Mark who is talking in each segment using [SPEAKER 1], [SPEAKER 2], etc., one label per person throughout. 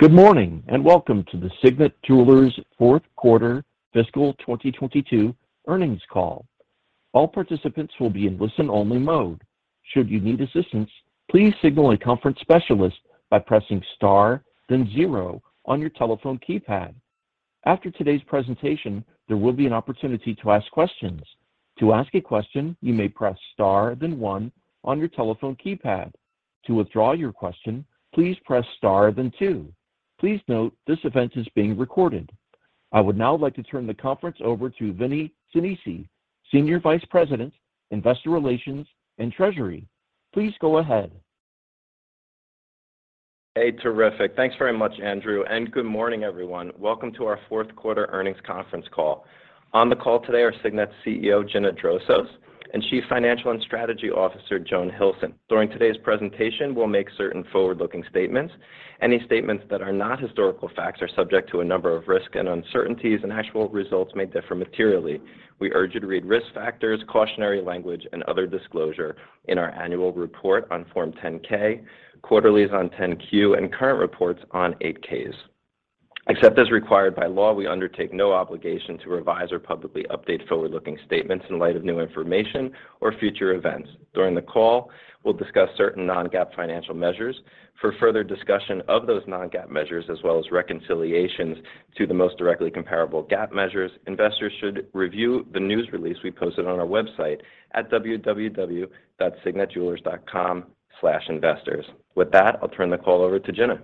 [SPEAKER 1] Good morning, and welcome to the Signet Jewelers Q4 fiscal 2022 earnings call. All participants will be in listen-only mode. Should you need assistance, please signal a conference specialist by pressing Star, then zero on your telephone keypad. After today's presentation, there will be an opportunity to ask questions. To ask a question, you may press Star, then one on your telephone keypad. To withdraw your question, please press Star, then two. Please note this event is being recorded. I would now like to turn the conference over to Vinnie Sinisi, Senior Vice President, Investor Relations and Treasury. Please go ahead.
[SPEAKER 2] Hey, terrific. Thanks very much, Andrew, and good morning, everyone. Welcome to our Q4 earnings conference call. On the call today are Signet CEO, Gina Drosos, and Chief Financial and Strategy Officer, Joan Hilson. During today's presentation, we'll make certain forward-looking statements. Any statements that are not historical facts are subject to a number of risks and uncertainties, and actual results may differ materially. We urge you to read risk factors, cautionary language, and other disclosure in our annual report on Form 10-K, quarterlies on 10-Q, and current reports on 8-Ks. Except as required by law, we undertake no obligation to revise or publicly update forward-looking statements in light of new information or future events. During the call, we'll discuss certain non-GAAP financial measures. For further discussion of those non-GAAP measures as well as reconciliations to the most directly comparable GAAP measures, investors should review the news release we posted on our website at www.signetjewelers.com/investors. With that, I'll turn the call over to Gina.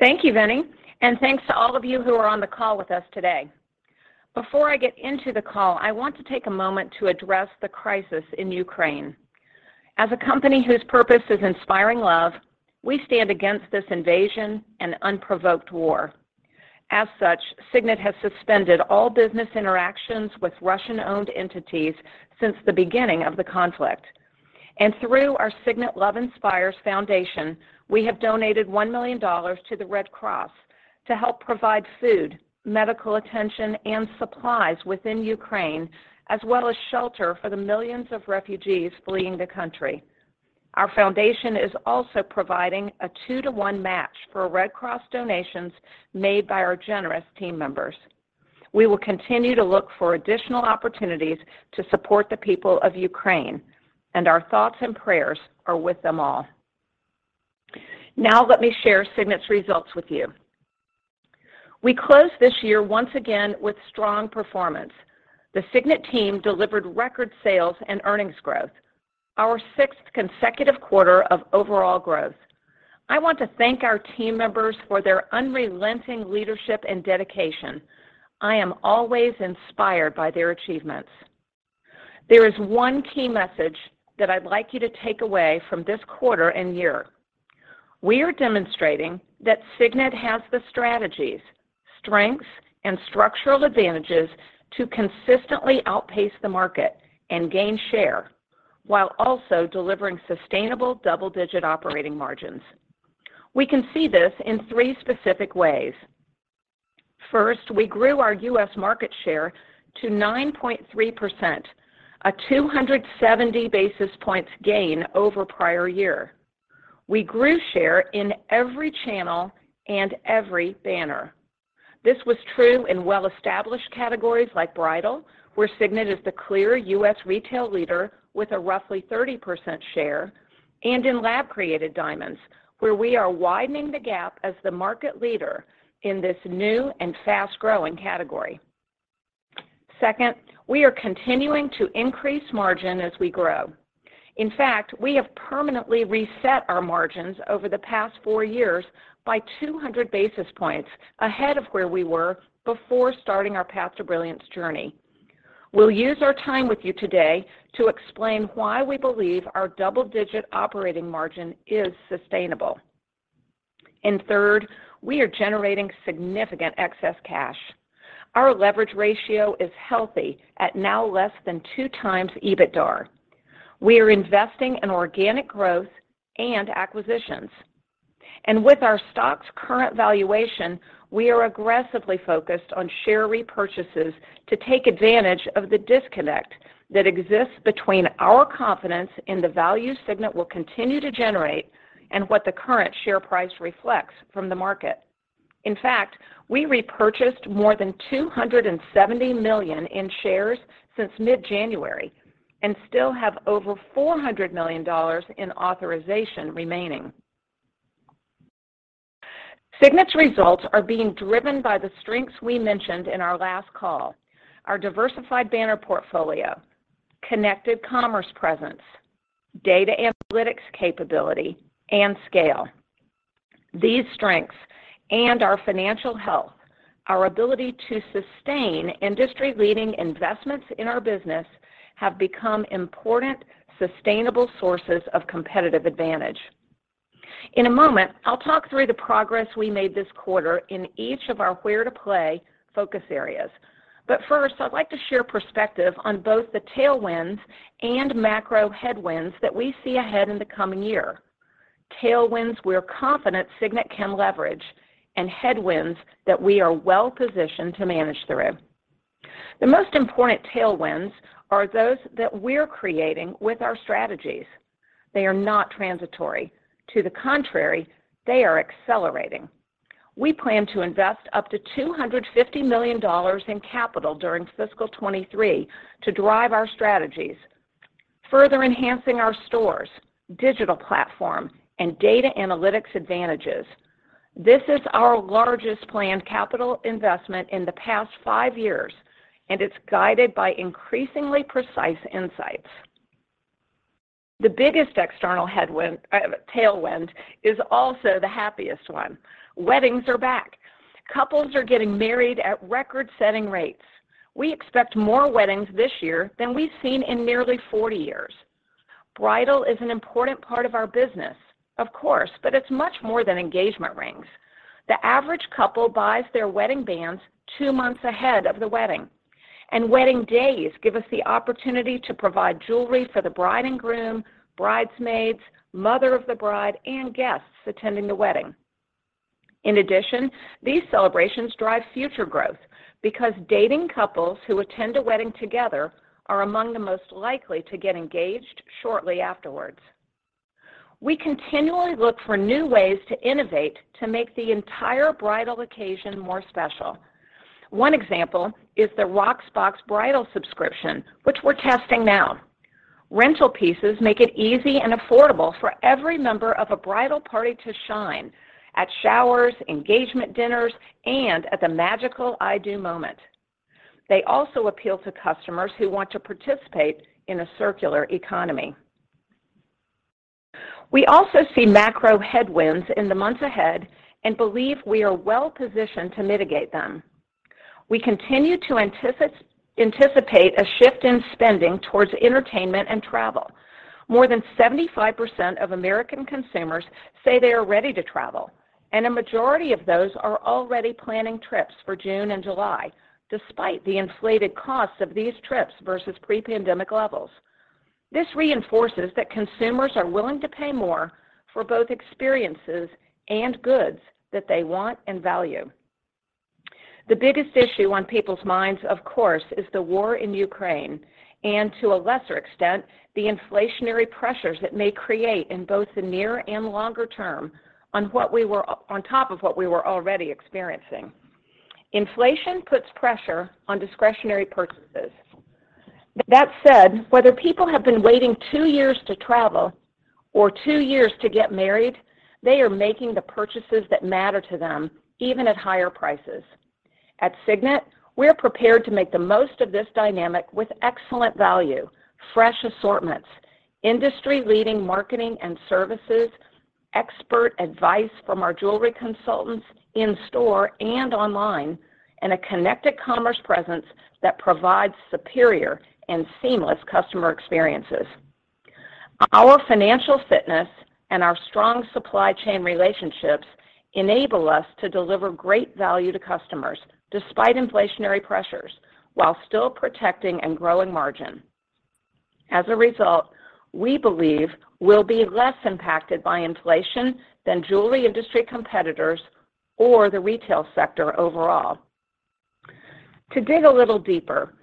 [SPEAKER 3] Thank you, Vinnie, and thanks to all of you who are on the call with us today. Before I get into the call, I want to take a moment to address the crisis in Ukraine. As a company whose purpose is inspiring love, we stand against this invasion and unprovoked war. As such, Signet has suspended all business interactions with Russian-owned entities since the beginning of the conflict. Through our Signet Love Inspires Foundation, we have donated $1 million to the Red Cross to help provide food, medical attention, and supplies within Ukraine, as well as shelter for the millions of refugees fleeing the country. Our foundation is also providing a two-to-one match for Red Cross donations made by our generous team members. We will continue to look for additional opportunities to support the people of Ukraine, and our thoughts and prayers are with them all. Now let me share Signet's results with you. We closed this year once again with strong performance. The Signet team delivered record sales and earnings growth, our sixth consecutive quarter of overall growth. I want to thank our team members for their unrelenting leadership and dedication. I am always inspired by their achievements. There is one key message that I'd like you to take away from this quarter and year. We are demonstrating that Signet has the strategies, strengths, and structural advantages to consistently outpace the market and gain share while also delivering sustainable double-digit operating margins. We can see this in three specific ways. First, we grew our U.S. market share to 9.3%, a 270 basis points gain over prior year. We grew share in every channel and every banner. This was true in well-established categories like bridal, where Signet is the clear U.S. retail leader with a roughly 30% share, and in lab-created diamonds, where we are widening the gap as the market leader in this new and fast-growing category. Second, we are continuing to increase margin as we grow. In fact, we have permanently reset our margins over the past four years by 200 basis points ahead of where we were before starting our Path to Brilliance journey. We'll use our time with you today to explain why we believe our double-digit operating margin is sustainable. Third, we are generating significant excess cash. Our leverage ratio is healthy at now less than 2x EBITDAR. We are investing in organic growth and acquisitions. With our stock's current valuation, we are aggressively focused on share repurchases to take advantage of the disconnect that exists between our confidence in the value Signet will continue to generate and what the current share price reflects from the market. In fact, we repurchased more than $270 million in shares since mid-January and still have over $400 million in authorization remaining. Signet's results are being driven by the strengths we mentioned in our last call, our diversified banner portfolio, connected commerce presence, data analytics capability, and scale. These strengths and our financial health, our ability to sustain industry-leading investments in our business, have become important, sustainable sources of competitive advantage. In a moment, I'll talk through the progress we made this quarter in each of our where to play focus areas. First, I'd like to share perspective on both the tailwinds and macro headwinds that we see ahead in the coming year. Tailwinds we're confident Signet can leverage and headwinds that we are well-positioned to manage through. The most important tailwinds are those that we're creating with our strategies. They are not transitory. To the contrary, they are accelerating. We plan to invest up to $250 million in capital during fiscal 2023 to drive our strategies, further enhancing our stores, digital platform, and data analytics advantages. This is our largest planned capital investment in the past five years, and it's guided by increasingly precise insights. The biggest external headwind, tailwind is also the happiest one. Weddings are back. Couples are getting married at record-setting rates. We expect more weddings this year than we've seen in nearly 40 years. Bridal is an important part of our business, of course, but it's much more than engagement rings. The average couple buys their wedding bands two months ahead of the wedding, and wedding days give us the opportunity to provide jewelry for the bride and groom, bridesmaids, mother of the bride, and guests attending the wedding. In addition, these celebrations drive future growth because dating couples who attend a wedding together are among the most likely to get engaged shortly afterwards. We continually look for new ways to innovate to make the entire bridal occasion more special. One example is the Rocksbox bridal subscription, which we're testing now. Rental pieces make it easy and affordable for every member of a bridal party to shine at showers, engagement dinners, and at the magical I do moment. They also appeal to customers who want to participate in a circular economy. We also see macro headwinds in the months ahead and believe we are well-positioned to mitigate them. We continue to anticipate a shift in spending towards entertainment and travel. More than 75% of American consumers say they are ready to travel, and a majority of those are already planning trips for June and July, despite the inflated costs of these trips versus pre-pandemic levels. This reinforces that consumers are willing to pay more for both experiences and goods that they want and value. The biggest issue on people's minds, of course, is the war in Ukraine and to a lesser extent, the inflationary pressures it may create in both the near and longer term on top of what we were already experiencing. Inflation puts pressure on discretionary purchases. That said, whether people have been waiting two years to travel or two years to get married, they are making the purchases that matter to them, even at higher prices. At Signet, we're prepared to make the most of this dynamic with excellent value, fresh assortments, industry-leading marketing and services, expert advice from our jewelry consultants in store and online, and a connected commerce presence that provides superior and seamless customer experiences. Our financial fitness and our strong supply chain relationships enable us to deliver great value to customers despite inflationary pressures while still protecting and growing margin. As a result, we believe we'll be less impacted by inflation than jewelry industry competitors or the retail sector overall. To dig a little deeper,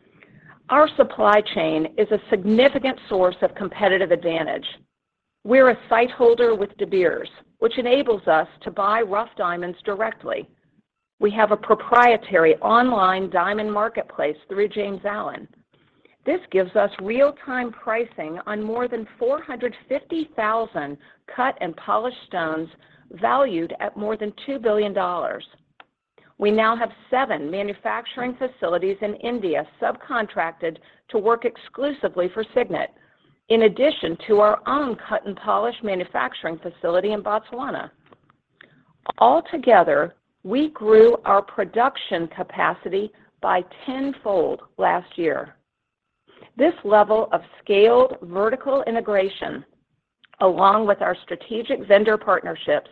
[SPEAKER 3] our supply chain is a significant source of competitive advantage. We're a sight holder with De Beers, which enables us to buy rough diamonds directly. We have a proprietary online diamond marketplace through James Allen. This gives us real-time pricing on more than 450,000 cut and polished stones valued at more than $2 billion. We now have seven manufacturing facilities in India subcontracted to work exclusively for Signet in addition to our own cut and polish manufacturing facility in Botswana. Altogether, we grew our production capacity by tenfold last year. This level of scaled vertical integration, along with our strategic vendor partnerships,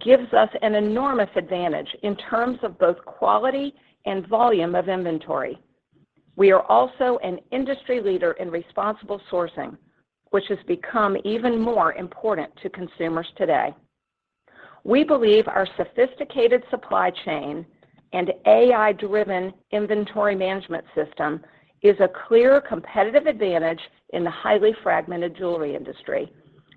[SPEAKER 3] gives us an enormous advantage in terms of both quality and volume of inventory. We are also an industry leader in responsible sourcing, which has become even more important to consumers today. We believe our sophisticated supply chain and AI-driven inventory management system is a clear competitive advantage in the highly fragmented jewelry industry,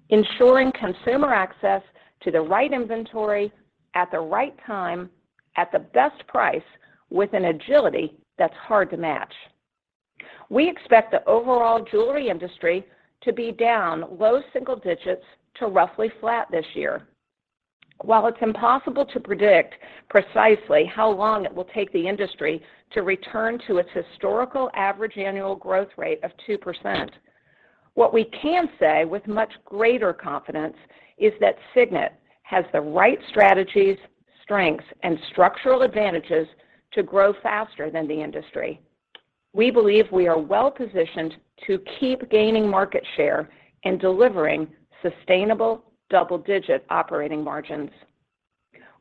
[SPEAKER 3] ensuring consumer access to the right inventory at the right time at the best price with an agility that's hard to match. We expect the overall jewelry industry to be down low single digits to roughly flat this year. While it's impossible to predict precisely how long it will take the industry to return to its historical average annual growth rate of 2%, what we can say with much greater confidence is that Signet has the right strategies, strengths, and structural advantages to grow faster than the industry. We believe we are well-positioned to keep gaining market share and delivering sustainable double-digit operating margins.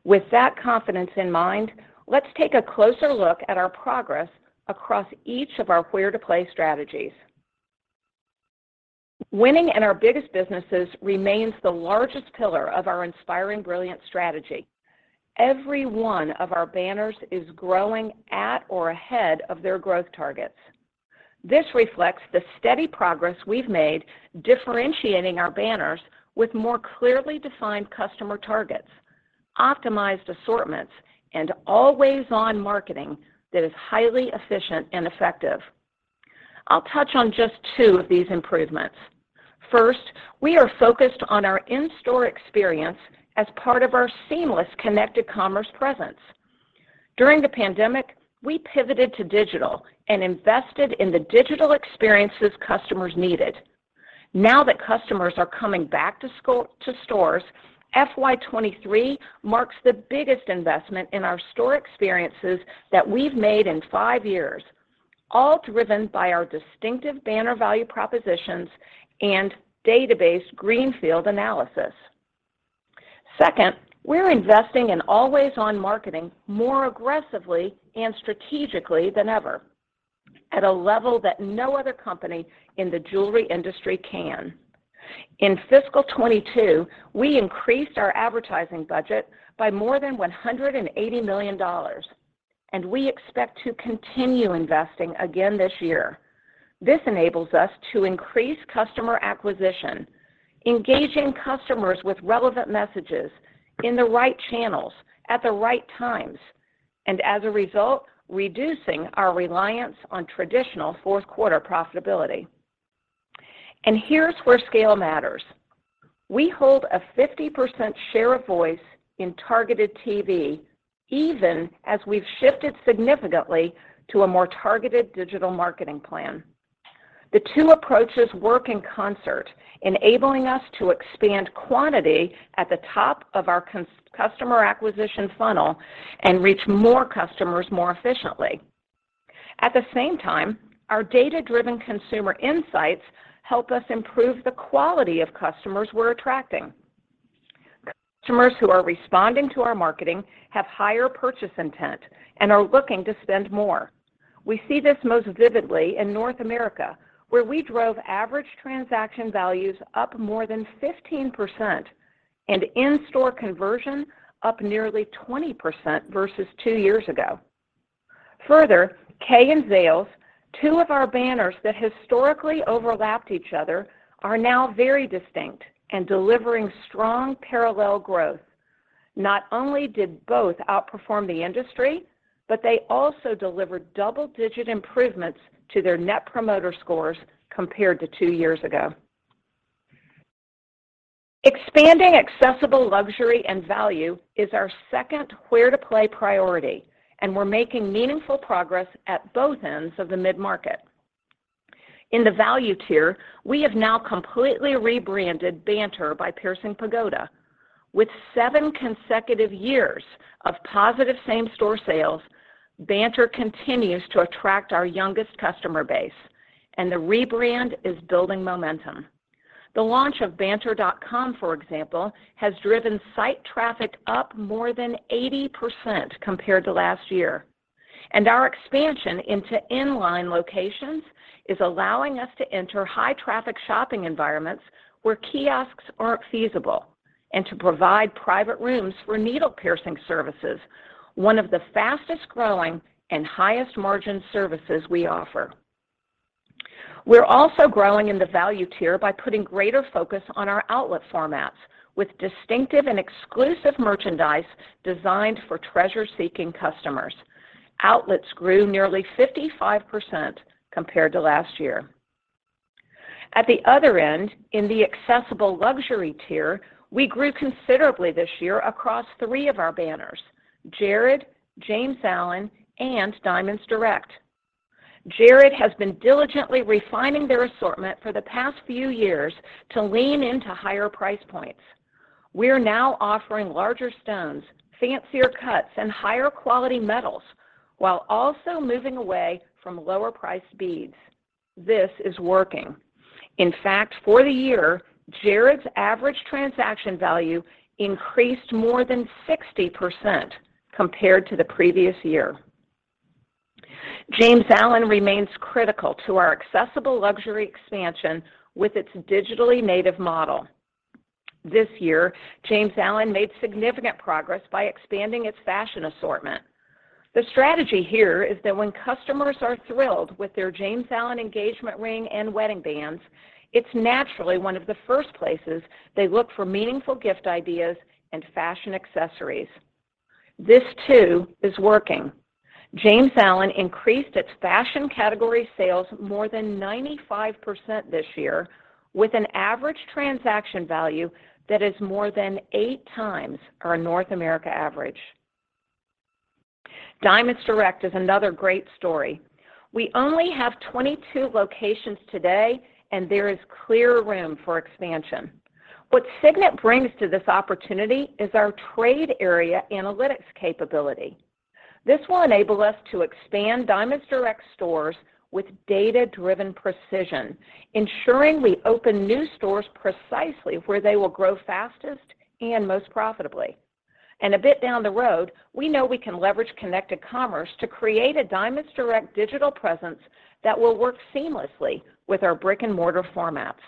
[SPEAKER 3] With that confidence in mind, let's take a closer look at our progress across each of our where to play strategies. Winning in our biggest businesses remains the largest pillar of our Inspiring Brilliance strategy. Every one of our banners is growing at or ahead of their growth targets. This reflects the steady progress we've made differentiating our banners with more clearly defined customer targets, optimized assortments, and always-on marketing that is highly efficient and effective. I'll touch on just two of these improvements. First, we are focused on our in-store experience as part of our seamless connected commerce presence. During the pandemic, we pivoted to digital and invested in the digital experiences customers needed. Now that customers are coming back to stores, FY 2023 marks the biggest investment in our store experiences that we've made in five years, all driven by our distinctive banner value propositions and data-based greenfield analysis. Second, we're investing in always-on marketing more aggressively and strategically than ever at a level that no other company in the jewelry industry can. In fiscal 2022, we increased our advertising budget by more than $180 million, and we expect to continue investing again this year. This enables us to increase customer acquisition, engaging customers with relevant messages in the right channels at the right times, and as a result, reducing our reliance on traditional Q4 profitability. Here's where scale matters. We hold a 50% share of voice in targeted TV, even as we've shifted significantly to a more targeted digital marketing plan. The two approaches work in concert, enabling us to expand quantity at the top of our customer acquisition funnel and reach more customers more efficiently. At the same time, our data-driven consumer insights help us improve the quality of customers we're attracting. Customers who are responding to our marketing have higher purchase intent and are looking to spend more. We see this most vividly in North America, where we drove average transaction values up more than 15% and in-store conversion up nearly 20% versus two years ago. Further, Kay and Zales, two of our banners that historically overlapped each other, are now very distinct and delivering strong parallel growth. Not only did both outperform the industry, but they also delivered double-digit improvements to their net promoter scores compared to two years ago. Expanding accessible luxury and value is our second where-to-play priority, and we're making meaningful progress at both ends of the mid-market. In the value tier, we have now completely rebranded Banter by Piercing Pagoda. With seven consecutive years of positive same-store sales, Banter continues to attract our youngest customer base, and the rebrand is building momentum. The launch of banter.com, for example, has driven site traffic up more than 80% compared to last year. Our expansion into inline locations is allowing us to enter high-traffic shopping environments where kiosks aren't feasible and to provide private rooms for needle piercing services, one of the fastest-growing and highest-margin services we offer. We're also growing in the value tier by putting greater focus on our outlet formats with distinctive and exclusive merchandise designed for treasure-seeking customers. Outlets grew nearly 55% compared to last year. At the other end, in the accessible luxury tier, we grew considerably this year across three of our banners, Jared, James Allen, and Diamonds Direct. Jared has been diligently refining their assortment for the past few years to lean into higher price points. We're now offering larger stones, fancier cuts, and higher-quality metals while also moving away from lower-priced beads. This is working. In fact, for the year, Jared's average transaction value increased more than 60% compared to the previous year. James Allen remains critical to our accessible luxury expansion with its digitally native model. This year, James Allen made significant progress by expanding its fashion assortment. The strategy here is that when customers are thrilled with their James Allen engagement ring and wedding bands, it's naturally one of the first places they look for meaningful gift ideas and fashion accessories. This, too, is working. James Allen increased its fashion category sales more than 95% this year with an average transaction value that is more than 8x our North America average. Diamonds Direct is another great story. We only have 22 locations today, and there is clear room for expansion. What Signet brings to this opportunity is our trade area analytics capability. This will enable us to expand Diamonds Direct stores with data-driven precision, ensuring we open new stores precisely where they will grow fastest and most profitably. A bit down the road, we know we can leverage connected commerce to create a Diamonds Direct digital presence that will work seamlessly with our brick-and-mortar formats.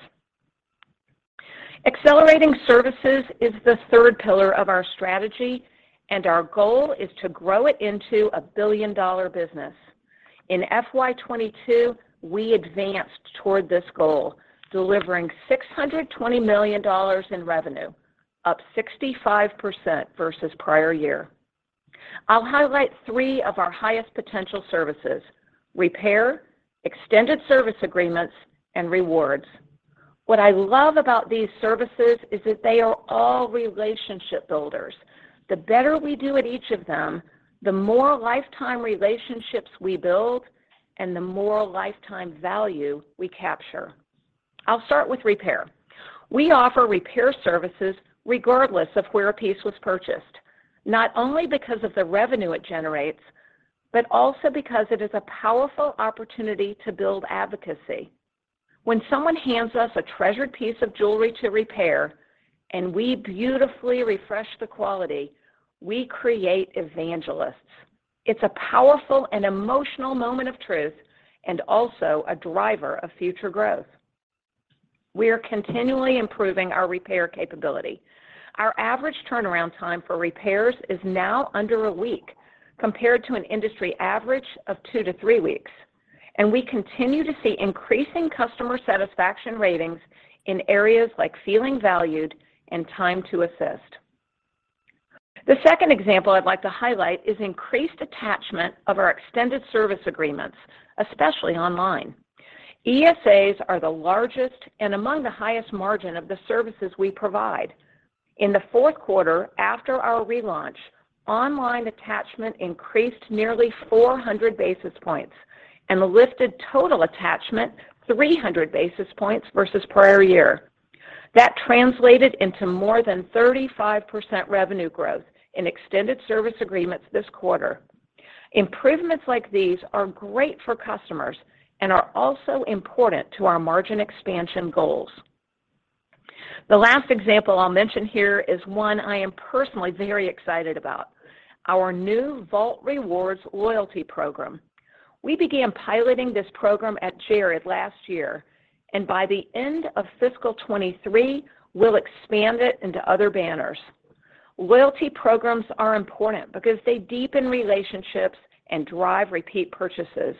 [SPEAKER 3] Accelerating services is the third pillar of our strategy, and our goal is to grow it into a billion-dollar business. In FY 2022, we advanced toward this goal, delivering $620 million in revenue, up 65% versus prior year. I'll highlight three of our highest potential services: repair, extended service agreements, and rewards. What I love about these services is that they are all relationship builders. The better we do at each of them, the more lifetime relationships we build and the more lifetime value we capture. I'll start with repair. We offer repair services regardless of where a piece was purchased, not only because of the revenue it generates, but also because it is a powerful opportunity to build advocacy. When someone hands us a treasured piece of jewelry to repair and we beautifully refresh the quality, we create evangelists. It's a powerful and emotional moment of truth and also a driver of future growth. We are continually improving our repair capability. Our average turnaround time for repairs is now under a week compared to an industry average of two to three weeks, and we continue to see increasing customer satisfaction ratings in areas like feeling valued and time to assist. The second example I'd like to highlight is increased attachment of our extended service agreements, especially online. ESAs are the largest and among the highest margin of the services we provide. In the Q4 after our relaunch, online attachment increased nearly 400 basis points and lifted total attachment 300 basis points versus prior year. That translated into more than 35% revenue growth in extended service agreements this quarter. Improvements like these are great for customers and are also important to our margin expansion goals. The last example I'll mention here is one I am personally very excited about, our new Vault Rewards loyalty program. We began piloting this program at Jared last year, and by the end of fiscal 2023, we'll expand it into other banners. Loyalty programs are important because they deepen relationships and drive repeat purchases.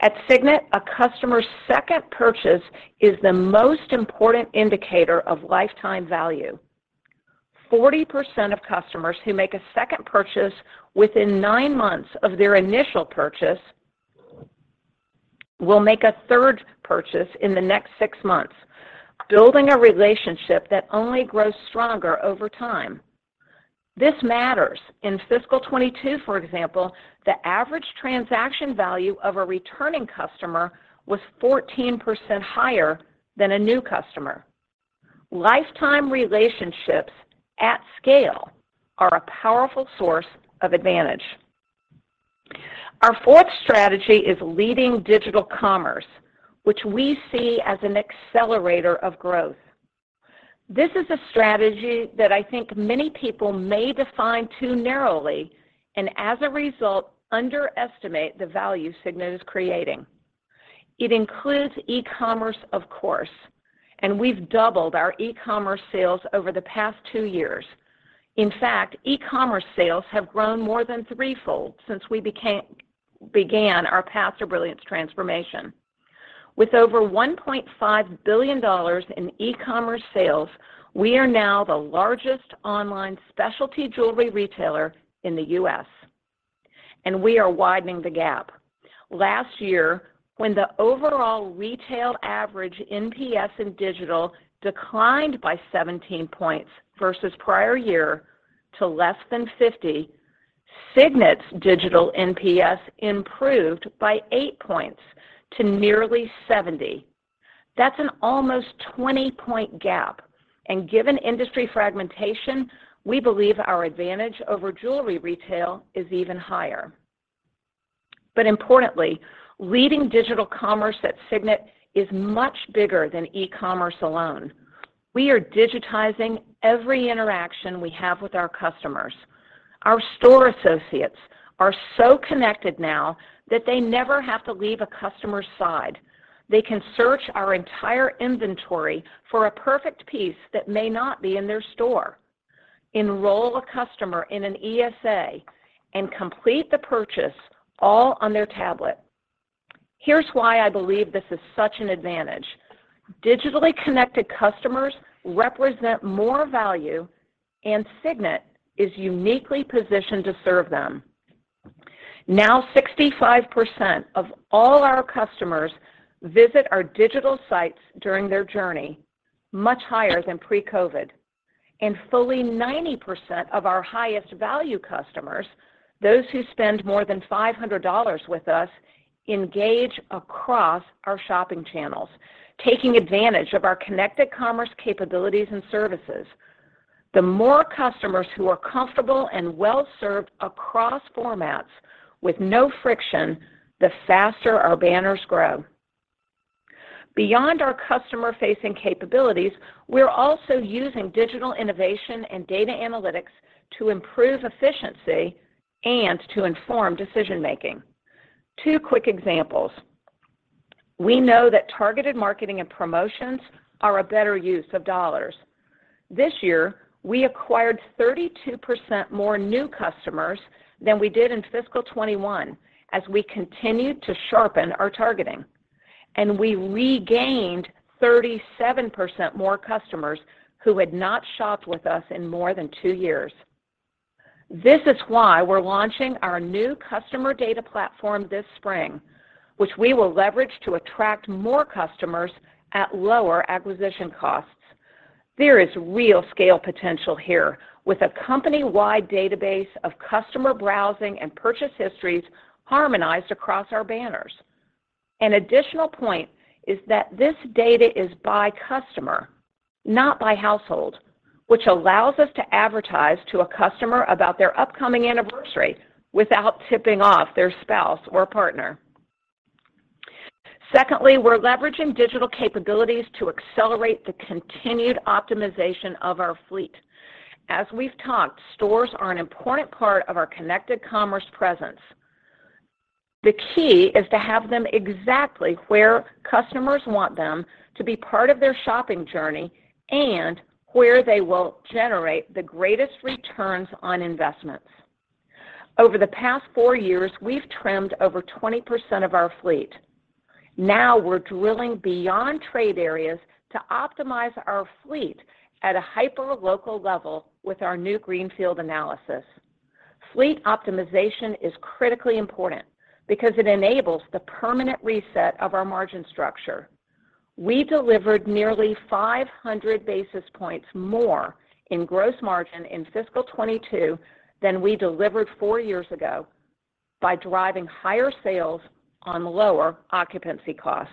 [SPEAKER 3] At Signet, a customer's second purchase is the most important indicator of lifetime value. 40% of customers who make a second purchase within nine months of their initial purchase will make a third purchase in the next six months, building a relationship that only grows stronger over time. This matters. In fiscal 2022, for example, the average transaction value of a returning customer was 14% higher than a new customer. Lifetime relationships at scale are a powerful source of advantage. Our fourth strategy is leading digital commerce, which we see as an accelerator of growth. This is a strategy that I think many people may define too narrowly and, as a result, underestimate the value Signet is creating. It includes e-commerce, of course, and we've doubled our e-commerce sales over the past two years. In fact, e-commerce sales have grown more than threefold since we began our Path to Brilliance transformation. With over $1.5 billion in e-commerce sales, we are now the largest online specialty jewelry retailer in the U.S., and we are widening the gap. Last year, when the overall retail average NPS in digital declined by 17 points versus prior year to less than 50, Signet's digital NPS improved by eight points to nearly 70. That's an almost 20-point gap, and given industry fragmentation, we believe our advantage over jewelry retail is even higher. Importantly, leading digital commerce at Signet is much bigger than e-commerce alone. We are digitizing every interaction we have with our customers. Our store associates are so connected now that they never have to leave a customer's side. They can search our entire inventory for a perfect piece that may not be in their store, enroll a customer in an ESA, and complete the purchase all on their tablet. Here's why I believe this is such an advantage. Digitally connected customers represent more value, and Signet is uniquely positioned to serve them. Now 65% of all our customers visit our digital sites during their journey, much higher than pre-COVID. Fully 90% of our highest-value customers, those who spend more than $500 with us, engage across our shopping channels, taking advantage of our connected commerce capabilities and services. The more customers who are comfortable and well-served across formats with no friction, the faster our banners grow. Beyond our customer-facing capabilities, we're also using digital innovation and data analytics to improve efficiency and to inform decision-making. Two quick examples. We know that targeted marketing and promotions are a better use of dollars. This year, we acquired 32% more new customers than we did in fiscal 2021 as we continued to sharpen our targeting. We regained 37% more customers who had not shopped with us in more than two years. This is why we're launching our new customer data platform this spring, which we will leverage to attract more customers at lower acquisition costs. There is real scale potential here with a company-wide database of customer browsing and purchase histories harmonized across our banners. An additional point is that this data is by customer, not by household, which allows us to advertise to a customer about their upcoming anniversary without tipping off their spouse or partner. Secondly, we're leveraging digital capabilities to accelerate the continued optimization of our fleet. As we've talked, stores are an important part of our connected commerce presence. The key is to have them exactly where customers want them to be part of their shopping journey and where they will generate the greatest returns on investments. Over the past four years, we've trimmed over 20% of our fleet. Now we're drilling beyond trade areas to optimize our fleet at a hyperlocal level with our new greenfield analysis. Fleet optimization is critically important because it enables the permanent reset of our margin structure. We delivered nearly 500 basis points more in gross margin in fiscal 2022 than we delivered four years ago by driving higher sales on lower occupancy costs.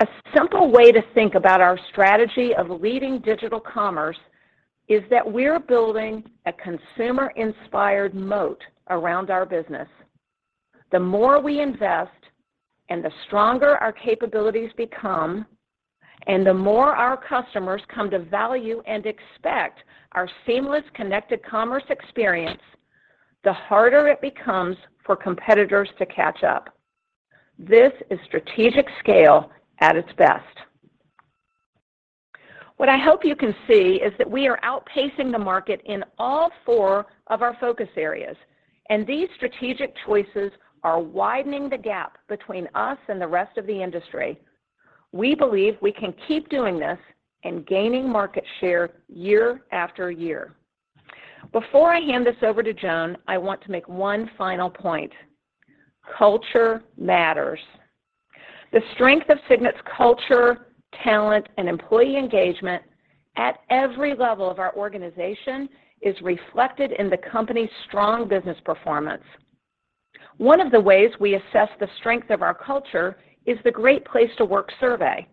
[SPEAKER 3] A simple way to think about our strategy of leading digital commerce is that we're building a consumer-inspired moat around our business. The more we invest and the stronger our capabilities become, and the more our customers come to value and expect our seamless, connected commerce experience, the harder it becomes for competitors to catch up. This is strategic scale at its best. What I hope you can see is that we are outpacing the market in all four of our focus areas, and these strategic choices are widening the gap between us and the rest of the industry. We believe we can keep doing this and gaining market share year after year. Before I hand this over to Joan, I want to make one final point. Culture matters. The strength of Signet's culture, talent, and employee engagement at every level of our organization is reflected in the company's strong business performance. One of the ways we assess the strength of our culture is the Great Place to Work survey.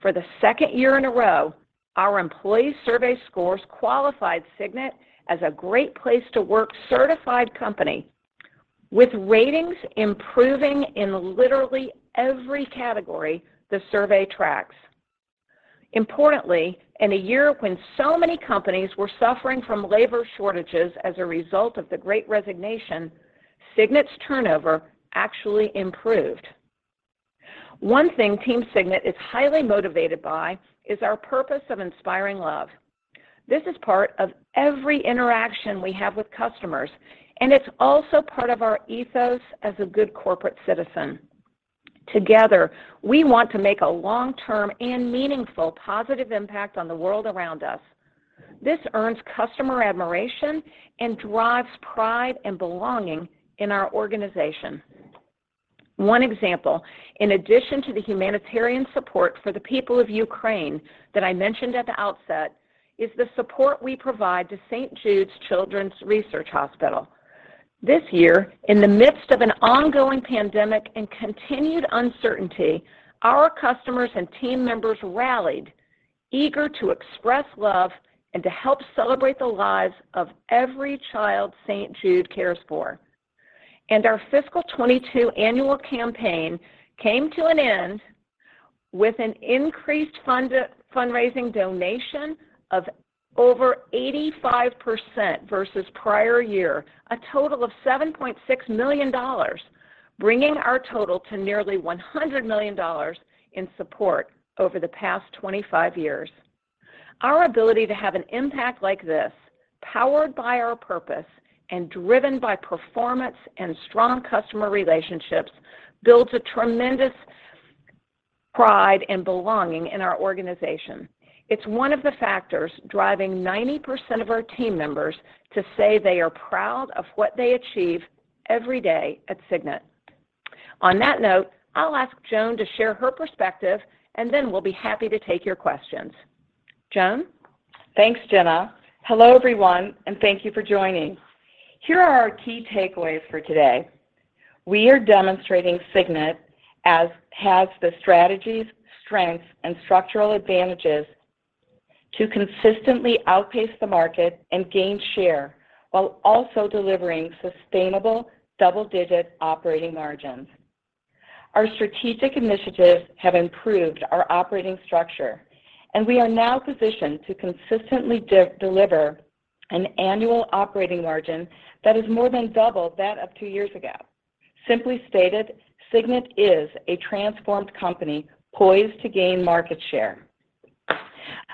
[SPEAKER 3] For the second year in a row, our employee survey scores qualified Signet as a Great Place to Work certified company, with ratings improving in literally every category the survey tracks. Importantly, in a year when so many companies were suffering from labor shortages as a result of the great resignation, Signet's turnover actually improved. One thing Team Signet is highly motivated by is our purpose of inspiring love. This is part of every interaction we have with customers, and it's also part of our ethos as a good corporate citizen. Together, we want to make a long-term and meaningful positive impact on the world around us. This earns customer admiration and drives pride and belonging in our organization. One example, in addition to the humanitarian support for the people of Ukraine that I mentioned at the outset, is the support we provide to St. Jude Children's Research Hospital. This year, in the midst of an ongoing pandemic and continued uncertainty, our customers and team members rallied, eager to express love and to help celebrate the lives of every child St. Jude cares for. Our fiscal 2022 annual campaign came to an end with an increased fundraising donation of over 85% versus prior year, a total of $7.6 million, bringing our total to nearly $100 million in support over the past 25 years. Our ability to have an impact like this, powered by our purpose and driven by performance and strong customer relationships, builds a tremendous pride and belonging in our organization. It's one of the factors driving 90% of our team members to say they are proud of what they achieve every day at Signet. On that note, I'll ask Joan to share her perspective, and then we'll be happy to take your questions. Joan?
[SPEAKER 4] Thanks, Gina. Hello, everyone, and thank you for joining. Here are our key takeaways for today. We are demonstrating Signet has the strategies, strengths, and structural advantages to consistently outpace the market and gain share while also delivering sustainable double-digit operating margins. Our strategic initiatives have improved our operating structure, and we are now positioned to consistently deliver an annual operating margin that is more than double that of two years ago. Simply stated, Signet is a transformed company poised to gain market share.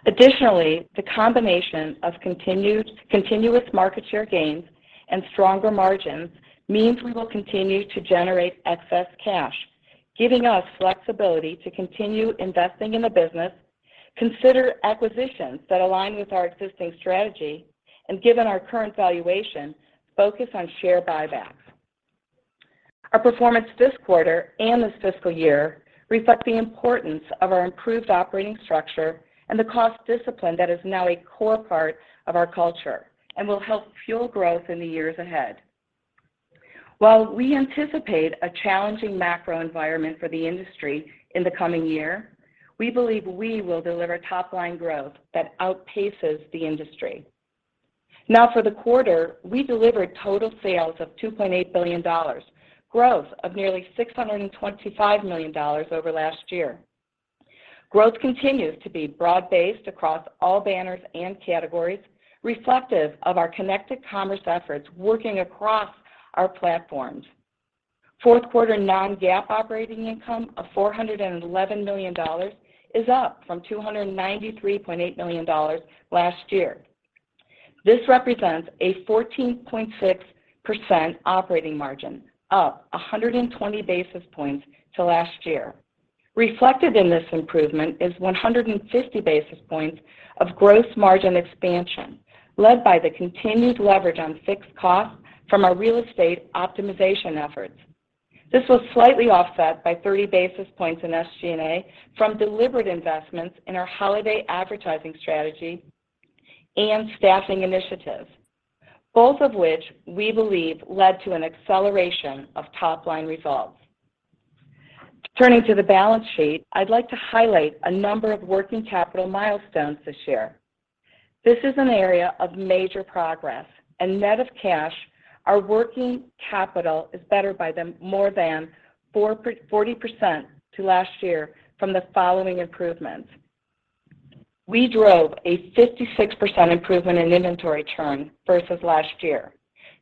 [SPEAKER 4] Additionally, the combination of continuous market share gains and stronger margins means we will continue to generate excess cash, giving us flexibility to continue investing in the business, consider acquisitions that align with our existing strategy, and given our current valuation, focus on share buybacks. Our performance this quarter and this fiscal year reflect the importance of our improved operating structure and the cost discipline that is now a core part of our culture and will help fuel growth in the years ahead. While we anticipate a challenging macro environment for the industry in the coming year, we believe we will deliver top-line growth that outpaces the industry. Now for the quarter, we delivered total sales of $2.8 billion, growth of nearly $625 million over last year. Growth continues to be broad-based across all banners and categories, reflective of our connected commerce efforts working across our platforms. Q4 non-GAAP operating income of $411 million is up from $293.8 million last year. This represents a 14.6% operating margin, up 120 basis points to last year. Reflected in this improvement is 150 basis points of gross margin expansion, led by the continued leverage on fixed costs from our real estate optimization efforts. This was slightly offset by 30 basis points in SG&A from deliberate investments in our holiday advertising strategy and staffing initiatives, both of which we believe led to an acceleration of top-line results. Turning to the balance sheet, I'd like to highlight a number of working capital milestones this year. This is an area of major progress, and net of cash, our working capital is better by more than 40% than last year from the following improvements. We drove a 56% improvement in inventory churn versus last year,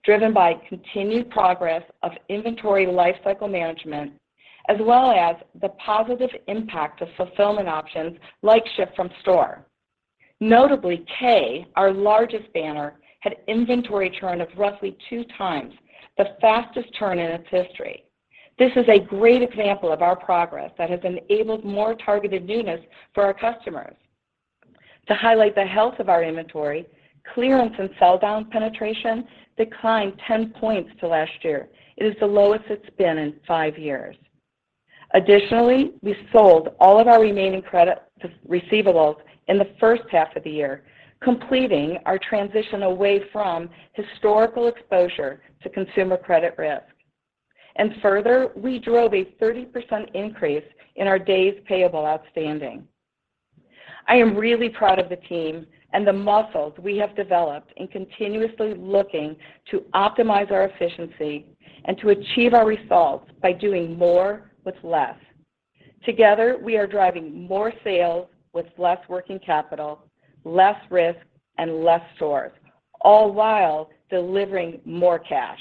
[SPEAKER 4] driven by continued progress of inventory lifecycle management, as well as the positive impact of fulfillment options like ship from store. Notably, Kay, our largest banner, had inventory churn of roughly 2x, the fastest churn in its history. This is a great example of our progress that has enabled more targeted newness for our customers. To highlight the health of our inventory, clearance and sell-down penetration declined 10 points to last year. It is the lowest it's been in five years. Additionally, we sold all of our remaining credit receivables in the H1 of the year, completing our transition away from historical exposure to consumer credit risk. Further, we drove a 30% increase in our days payable outstanding. I am really proud of the team and the muscles we have developed in continuously looking to optimize our efficiency and to achieve our results by doing more with less. Together, we are driving more sales with less working capital, less risk, and less stores, all while delivering more cash.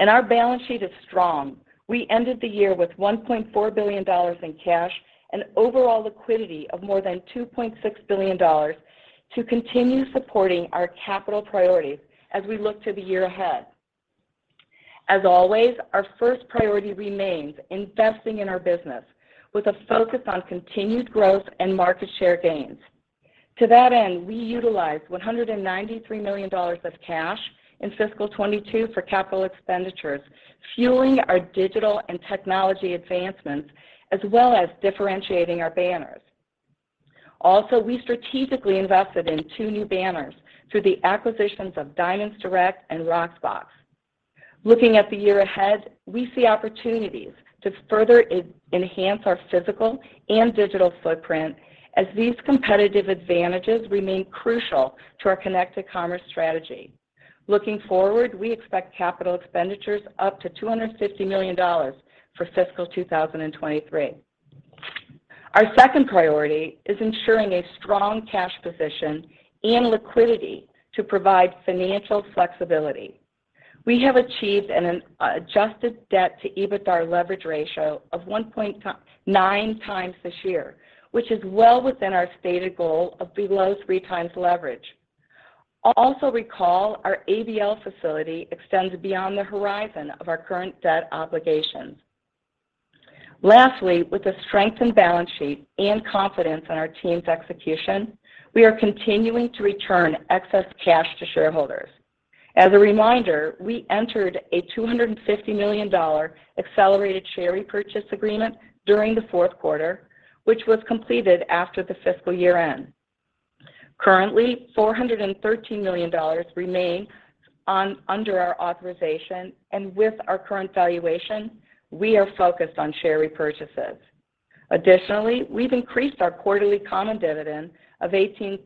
[SPEAKER 4] Our balance sheet is strong. We ended the year with $1.4 billion in cash and overall liquidity of more than $2.6 billion to continue supporting our capital priorities as we look to the year ahead. As always, our first priority remains investing in our business with a focus on continued growth and market share gains. To that end, we utilized $193 million of cash in fiscal 2022 for capital expenditures, fueling our digital and technology advancements, as well as differentiating our banners. Also, we strategically invested in two new banners through the acquisitions of Diamonds Direct and Rocksbox. Looking at the year ahead, we see opportunities to further enhance our physical and digital footprint as these competitive advantages remain crucial to our connected commerce strategy. Looking forward, we expect capital expenditures up to $250 million for fiscal 2023. Our second priority is ensuring a strong cash position and liquidity to provide financial flexibility. We have achieved an adjusted debt to EBITDA leverage ratio of 1.9x this year, which is well within our stated goal of below 3x leverage. Also recall our ABL facility extends beyond the horizon of our current debt obligations. Lastly, with a strengthened balance sheet and confidence in our team's execution, we are continuing to return excess cash to shareholders. As a reminder, we entered a $250 million accelerated share repurchase agreement during the Q4, which was completed after the fiscal year end. Currently, $413 million remain under our authorization. With our current valuation, we are focused on share repurchases. Additionally, we've increased our quarterly common dividend of $0.18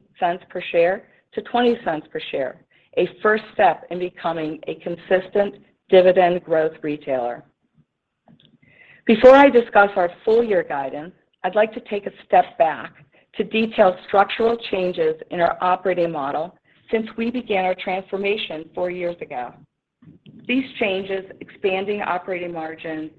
[SPEAKER 4] per share to $0.20 per share, a first step in becoming a consistent dividend growth retailer. Before I discuss our full year guidance, I'd like to take a step back to detail structural changes in our operating model since we began our transformation four years ago. These changes expanded operating margin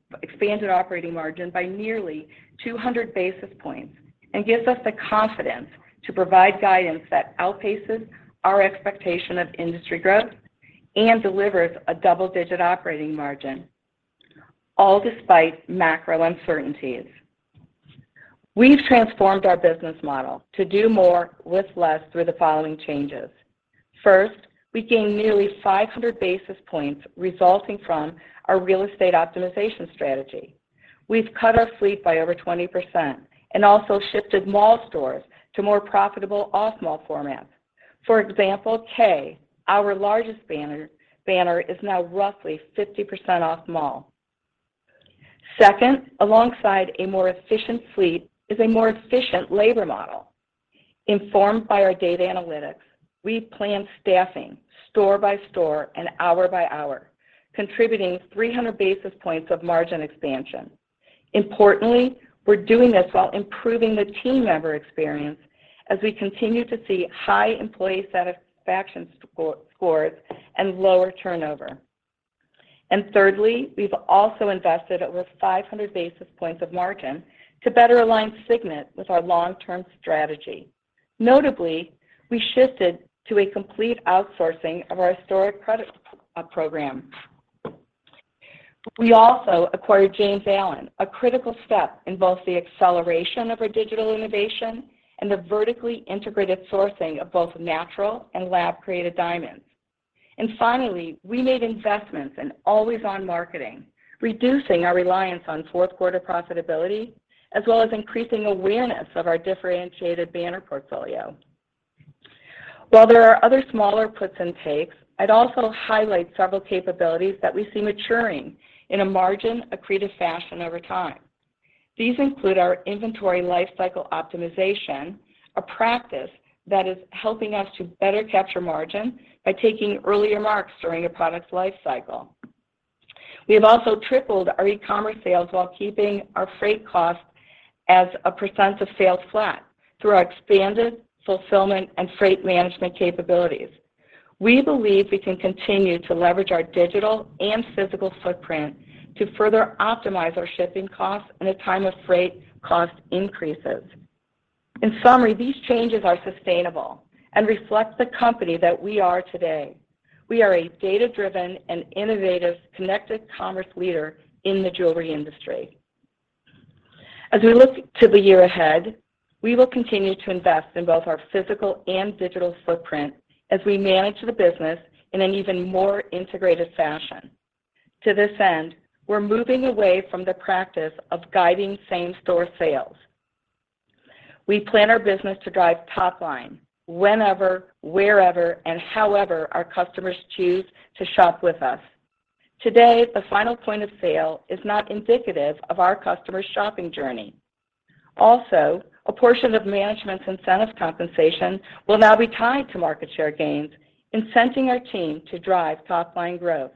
[SPEAKER 4] by nearly 200 basis points and gives us the confidence to provide guidance that outpaces our expectation of industry growth and delivers a double-digit operating margin, all despite macro uncertainties. We've transformed our business model to do more with less through the following changes. First, we gained nearly 500 basis points resulting from our real estate optimization strategy. We've cut our fleet by over 20% and also shifted mall stores to more profitable off-mall formats. For example, Kay, our largest banner, is now roughly 50% off-mall. Second, alongside a more efficient fleet is a more efficient labor model. Informed by our data analytics, we plan staffing store by store and hour by hour, contributing 300 basis points of margin expansion. Importantly, we're doing this while improving the team member experience as we continue to see high employee satisfaction scores and lower turnover. Thirdly, we've also invested over 500 basis points of margin to better align Signet with our long-term strategy. Notably, we shifted to a complete outsourcing of our historic credit program. We also acquired James Allen, a critical step in both the acceleration of our digital innovation and the vertically integrated sourcing of both natural and lab-created diamonds. Finally, we made investments in always-on marketing, reducing our reliance on Q4 profitability, as well as increasing awareness of our differentiated banner portfolio. While there are other smaller puts and takes, I'd also highlight several capabilities that we see maturing in a margin-accretive fashion over time. These include our inventory lifecycle optimization, a practice that is helping us to better capture margin by taking earlier marks during a product's life cycle. We have also tripled our e-commerce sales while keeping our freight cost as a percent of sales flat through our expanded fulfillment and freight management capabilities. We believe we can continue to leverage our digital and physical footprint to further optimize our shipping costs in a time of freight cost increases. In summary, these changes are sustainable and reflect the company that we are today. We are a data-driven and innovative connected commerce leader in the jewelry industry. As we look to the year ahead, we will continue to invest in both our physical and digital footprint as we manage the business in an even more integrated fashion. To this end, we're moving away from the practice of guiding same-store sales. We plan our business to drive top line whenever, wherever, and however our customers choose to shop with us. Today, the final point of sale is not indicative of our customers' shopping journey. Also, a portion of management's incentive compensation will now be tied to market share gains, incenting our team to drive top-line growth.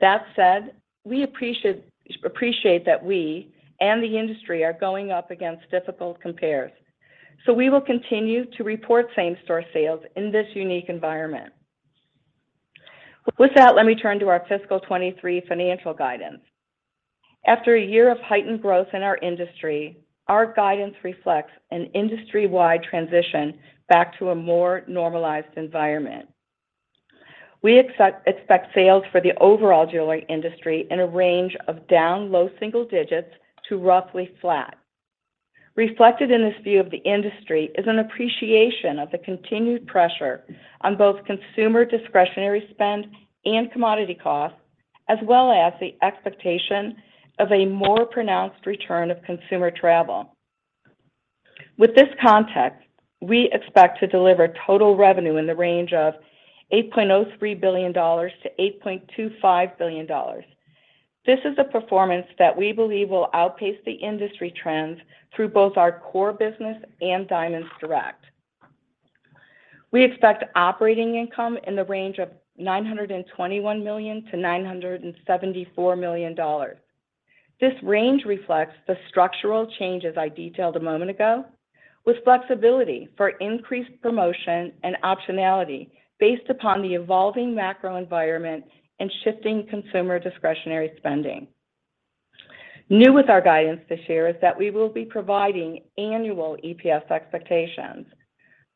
[SPEAKER 4] That said, we appreciate that we and the industry are going up against difficult compares, so we will continue to report same-store sales in this unique environment. With that, let me turn to our fiscal 2023 financial guidance. After a year of heightened growth in our industry, our guidance reflects an industry-wide transition back to a more normalized environment. We expect sales for the overall jewelry industry in a range of down low single digits to roughly flat. Reflected in this view of the industry is an appreciation of the continued pressure on both consumer discretionary spend and commodity costs, as well as the expectation of a more pronounced return of consumer travel. With this context, we expect to deliver total revenue in the range of $8.03 billion-$8.25 billion. This is a performance that we believe will outpace the industry trends through both our core business and Diamonds Direct. We expect operating income in the range of $921 million-$974 million. This range reflects the structural changes I detailed a moment ago with flexibility for increased promotion and optionality based upon the evolving macro environment and shifting consumer discretionary spending. New with our guidance this year is that we will be providing annual EPS expectations.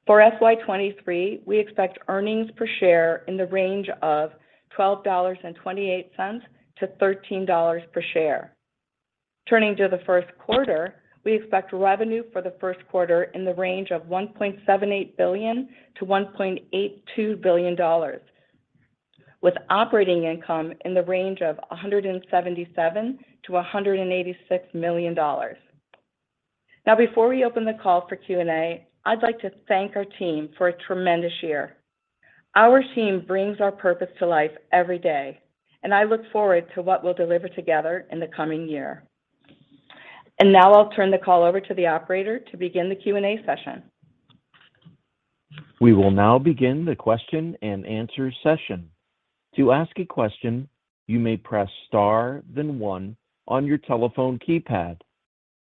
[SPEAKER 4] For FY 2023, we expect earnings per share in the range of $12.28-$13 per share. Turning to the Q1, we expect revenue for the Q1 in the range of $1.78 billion-$1.82 billion. With operating income in the range of $177 million-$186 million. Now before we open the call for Q&A, I'd like to thank our team for a tremendous year. Our team brings our purpose to life every day, and I look forward to what we'll deliver together in the coming year. Now I'll turn the call over to the operator to begin the Q&A session.
[SPEAKER 1] We will now begin the question and answer session. To ask a question, you may press star then one on your telephone keypad.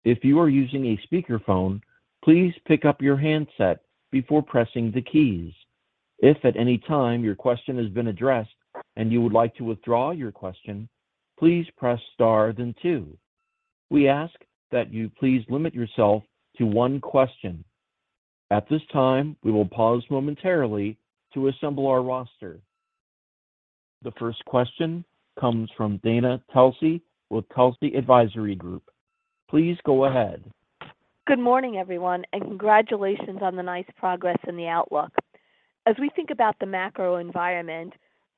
[SPEAKER 1] If you are using a speakerphone, please pick up your handset before pressing the keys. If at any time your question has been addressed and you would like to withdraw your question, please press star then two. We ask that you please limit yourself to one question. At this time, we will pause momentarily to assemble our roster. The first question comes from Dana Telsey with Telsey Advisory Group. Please go ahead.
[SPEAKER 5] Good morning everyone, and congratulations on the nice progress in the outlook. As we think about the macro environment,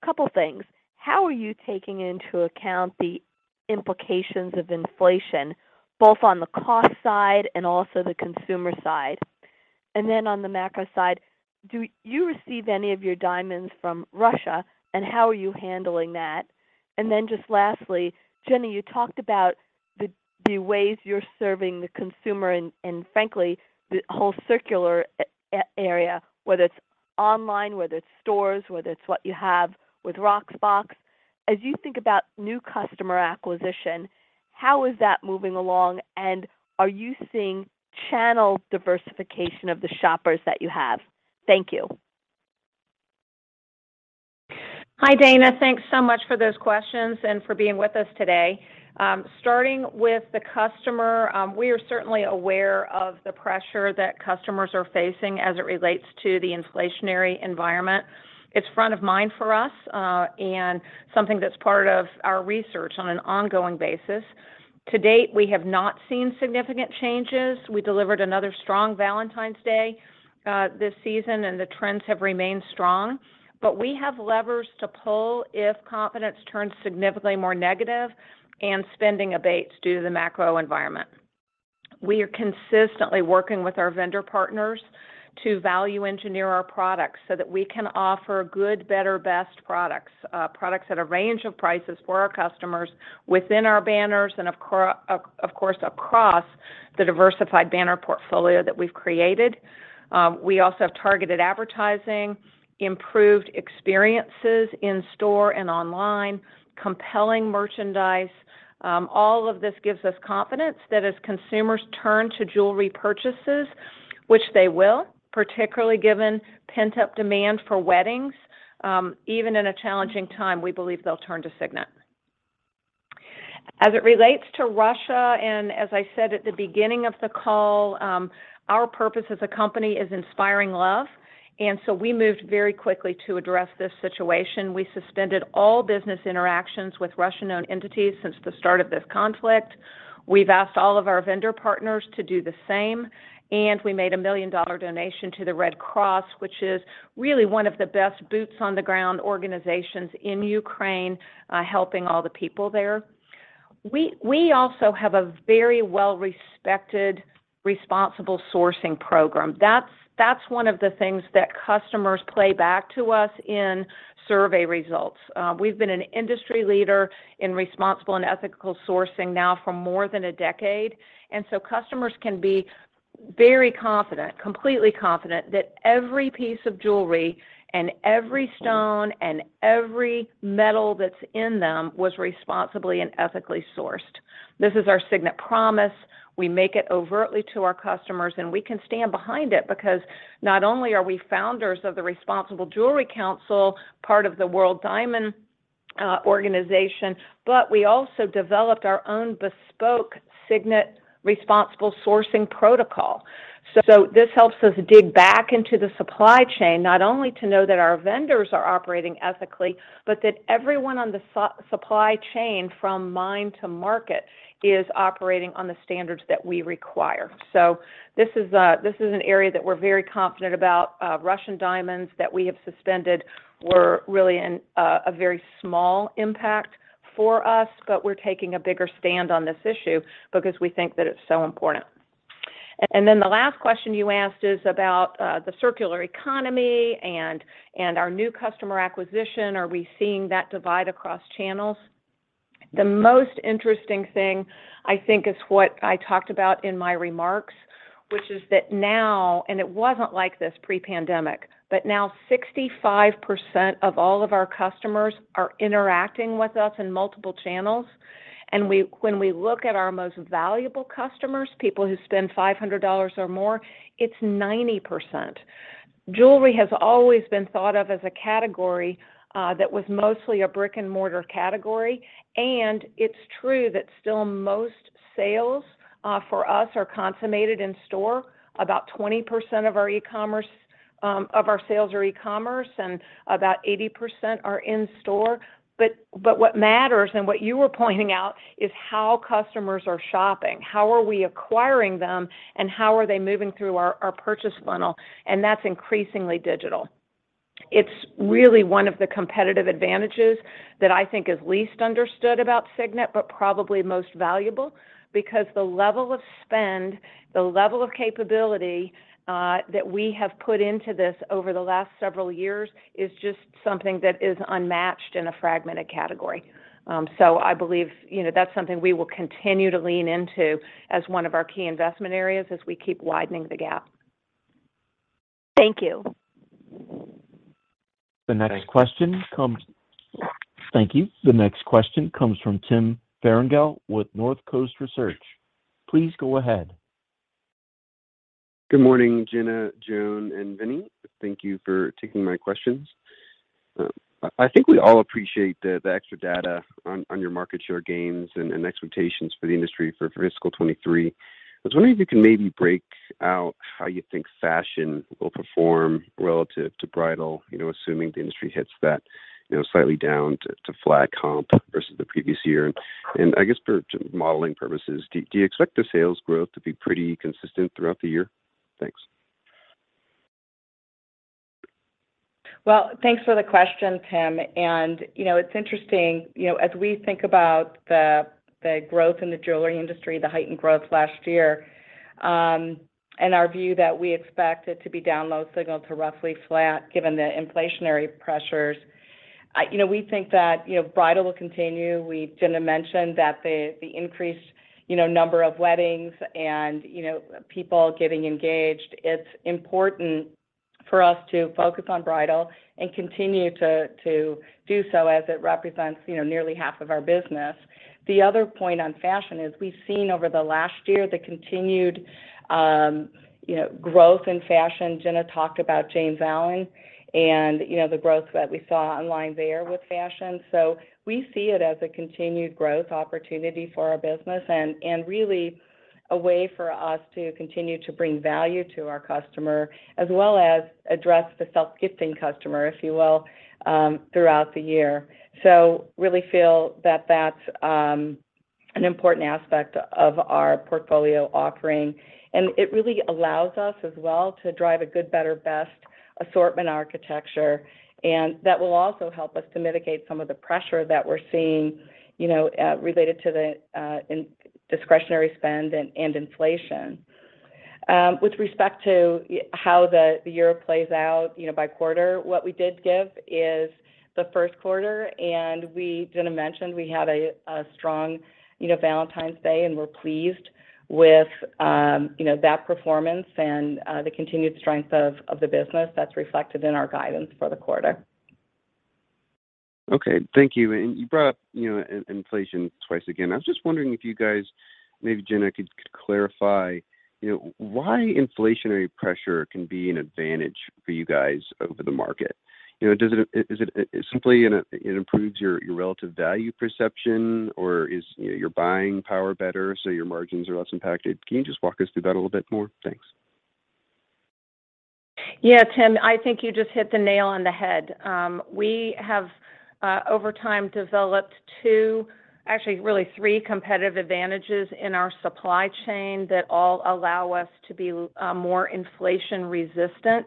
[SPEAKER 5] couple things. How are you taking into account the implications of inflation, both on the cost side and also the consumer side? On the macro side, do you receive any of your diamonds from Russia, and how are you handling that? Just lastly, Gina, you talked about the ways you're serving the consumer and frankly, the whole circular area, whether it's online, whether it's stores, whether it's what you have with Rocksbox. As you think about new customer acquisition, how is that moving along, and are you seeing channel diversification of the shoppers that you have? Thank you.
[SPEAKER 3] Hi, Dana. Thanks so much for those questions and for being with us today. Starting with the customer, we are certainly aware of the pressure that customers are facing as it relates to the inflationary environment. It's front of mind for us, and something that's part of our research on an ongoing basis. To date, we have not seen significant changes. We delivered another strong Valentine's Day this season, and the trends have remained strong. We have levers to pull if confidence turns significantly more negative and spending abates due to the macro environment. We are consistently working with our vendor partners to value engineer our products so that we can offer good, better, best products at a range of prices for our customers within our banners and of course, across the diversified banner portfolio that we've created. We also have targeted advertising, improved experiences in store and online, compelling merchandise. All of this gives us confidence that as consumers turn to jewelry purchases, which they will, particularly given pent-up demand for weddings, even in a challenging time, we believe they'll turn to Signet. As it relates to Russia, as I said at the beginning of the call, our purpose as a company is inspiring love, so we moved very quickly to address this situation. We suspended all business interactions with Russian-owned entities since the start of this conflict. We've asked all of our vendor partners to do the same, and we made a $1 million donation to the Red Cross, which is really one of the best boots on the ground organizations in Ukraine, helping all the people there. We also have a very well-respected responsible sourcing program. That's one of the things that customers play back to us in survey results. We've been an industry leader in responsible and ethical sourcing now for more than a decade, and customers can be very confident, completely confident that every piece of jewelry and every stone and every metal that's in them was responsibly and ethically sourced. This is our Signet promise. We make it overtly to our customers, and we can stand behind it because not only are we founders of the Responsible Jewelry Council, part of the World Diamond Council, but we also developed our own bespoke Signet responsible sourcing protocol. This helps us dig back into the supply chain, not only to know that our vendors are operating ethically, but that everyone on the supply chain from mine to market is operating on the standards that we require. This is an area that we're very confident about. Russian diamonds that we have suspended were really a very small impact for us, but we're taking a bigger stand on this issue because we think that it's so important. Then the last question you asked is about the circular economy and our new customer acquisition. Are we seeing that divide across channels? The most interesting thing, I think, is what I talked about in my remarks, which is that now, and it wasn't like this pre-pandemic, but now 65% of all of our customers are interacting with us in multiple channels. When we look at our most valuable customers, people who spend $500 or more, it's 90%. Jewelry has always been thought of as a category, that was mostly a brick-and-mortar category, and it's true that still most sales, for us are consummated in store. About 20% of our e-commerce, of our sales are e-commerce, and about 80% are in store. What matters, and what you were pointing out, is how customers are shopping, how are we acquiring them, and how are they moving through our purchase funnel, and that's increasingly digital. It's really one of the competitive advantages that I think is least understood about Signet, but probably most valuable because the level of spend, the level of capability, that we have put into this over the last several years is just something that is unmatched in a fragmented category. I believe, you know, that's something we will continue to lean into as one of our key investment areas as we keep widening the gap.
[SPEAKER 5] Thank you.
[SPEAKER 1] Thank you. The next question comes from Tim Farina with Northcoast Research. Please go ahead.
[SPEAKER 6] Good morning, Gina, Joan, and Vinnie. Thank you for taking my questions. I think we all appreciate the extra data on your market share gains and expectations for the industry for fiscal 2023. I was wondering if you can maybe break out how you think fashion will perform relative to bridal, you know, assuming the industry hits that, you know, slightly down to flat comp versus the previous year. I guess for modeling purposes, do you expect the sales growth to be pretty consistent throughout the year? Thanks.
[SPEAKER 4] Well, thanks for the question, Tim. You know, it's interesting, you know, as we think about the growth in the jewelry industry, the heightened growth last year, and our view that we expect it to be down low single to roughly flat given the inflationary pressures. You know, we think that, you know, bridal will continue. Gina mentioned that the increased number of weddings and, you know, people getting engaged, it's important for us to focus on bridal and continue to do so as it represents, you know, nearly half of our business. The other point on fashion is we've seen over the last year the continued growth in fashion. Gina talked about James Allen and, you know, the growth that we saw online there with fashion. We see it as a continued growth opportunity for our business and really a way for us to continue to bring value to our customer as well as address the self-gifting customer, if you will, throughout the year. Really feel that that's an important aspect of our portfolio offering, and it really allows us as well to drive a good, better, best assortment architecture. That will also help us to mitigate some of the pressure that we're seeing related to the discretionary spend and inflation. With respect to how the year plays out, you know, by quarter, what we did give is the Q1, and we, Gina mentioned we had a strong, you know, Valentine's Day, and we're pleased with, you know, that performance and the continued strength of the business that's reflected in our guidance for the quarter.
[SPEAKER 6] Okay. Thank you. You brought up, you know, inflation twice again. I was just wondering if you guys, maybe Gina could clarify, you know, why inflationary pressure can be an advantage for you guys over the market. You know, does it? Is it simply it improves your relative value perception or is, you know, your buying power better, so your margins are less impacted? Can you just walk us through that a little bit more? Thanks.
[SPEAKER 3] Yeah, Tim, I think you just hit the nail on the head. We have over time developed two, actually really three competitive advantages in our supply chain that all allow us to be more inflation resistant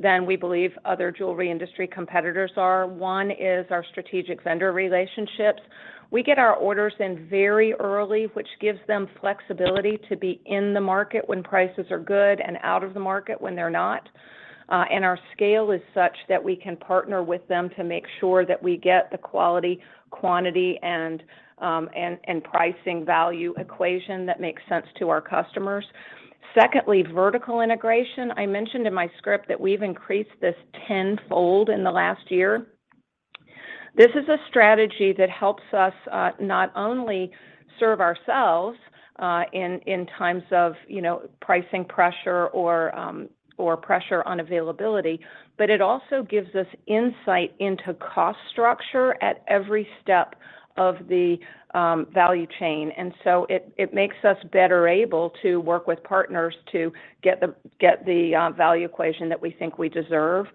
[SPEAKER 3] than we believe other jewelry industry competitors are. One is our strategic vendor relationships. We get our orders in very early, which gives them flexibility to be in the market when prices are good and out of the market when they're not. Our scale is such that we can partner with them to make sure that we get the quality, quantity, and pricing value equation that makes sense to our customers. Secondly, vertical integration. I mentioned in my script that we've increased this tenfold in the last year. This is a strategy that helps us not only serve ourselves in times of you know pricing pressure or pressure on availability, but it also gives us insight into cost structure at every step of the value chain. It makes us better able to work with partners to get the value equation that we think we deserve.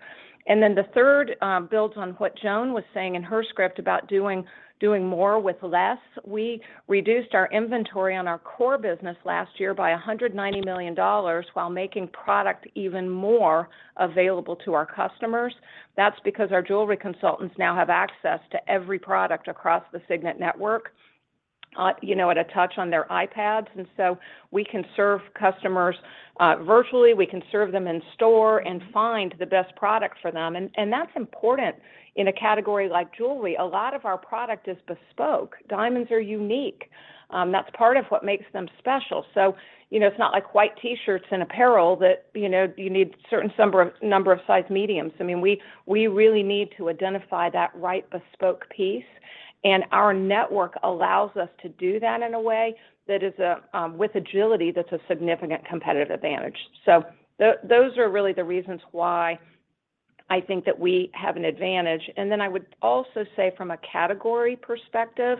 [SPEAKER 3] Then the third builds on what Joan was saying in her script about doing more with less. We reduced our inventory on our core business last year by $190 million while making product even more available to our customers. That's because our jewelry consultants now have access to every product across the Signet network you know at a touch on their iPads. We can serve customers virtually. We can serve them in store and find the best product for them. That's important in a category like jewelry. A lot of our product is bespoke. Diamonds are unique. That's part of what makes them special. You know, it's not like white T-shirts and apparel that, you know, you need certain number of size mediums. I mean, we really need to identify that right bespoke piece, and our network allows us to do that in a way that is with agility that's a significant competitive advantage. Those are really the reasons why I think that we have an advantage. I would also say from a category perspective,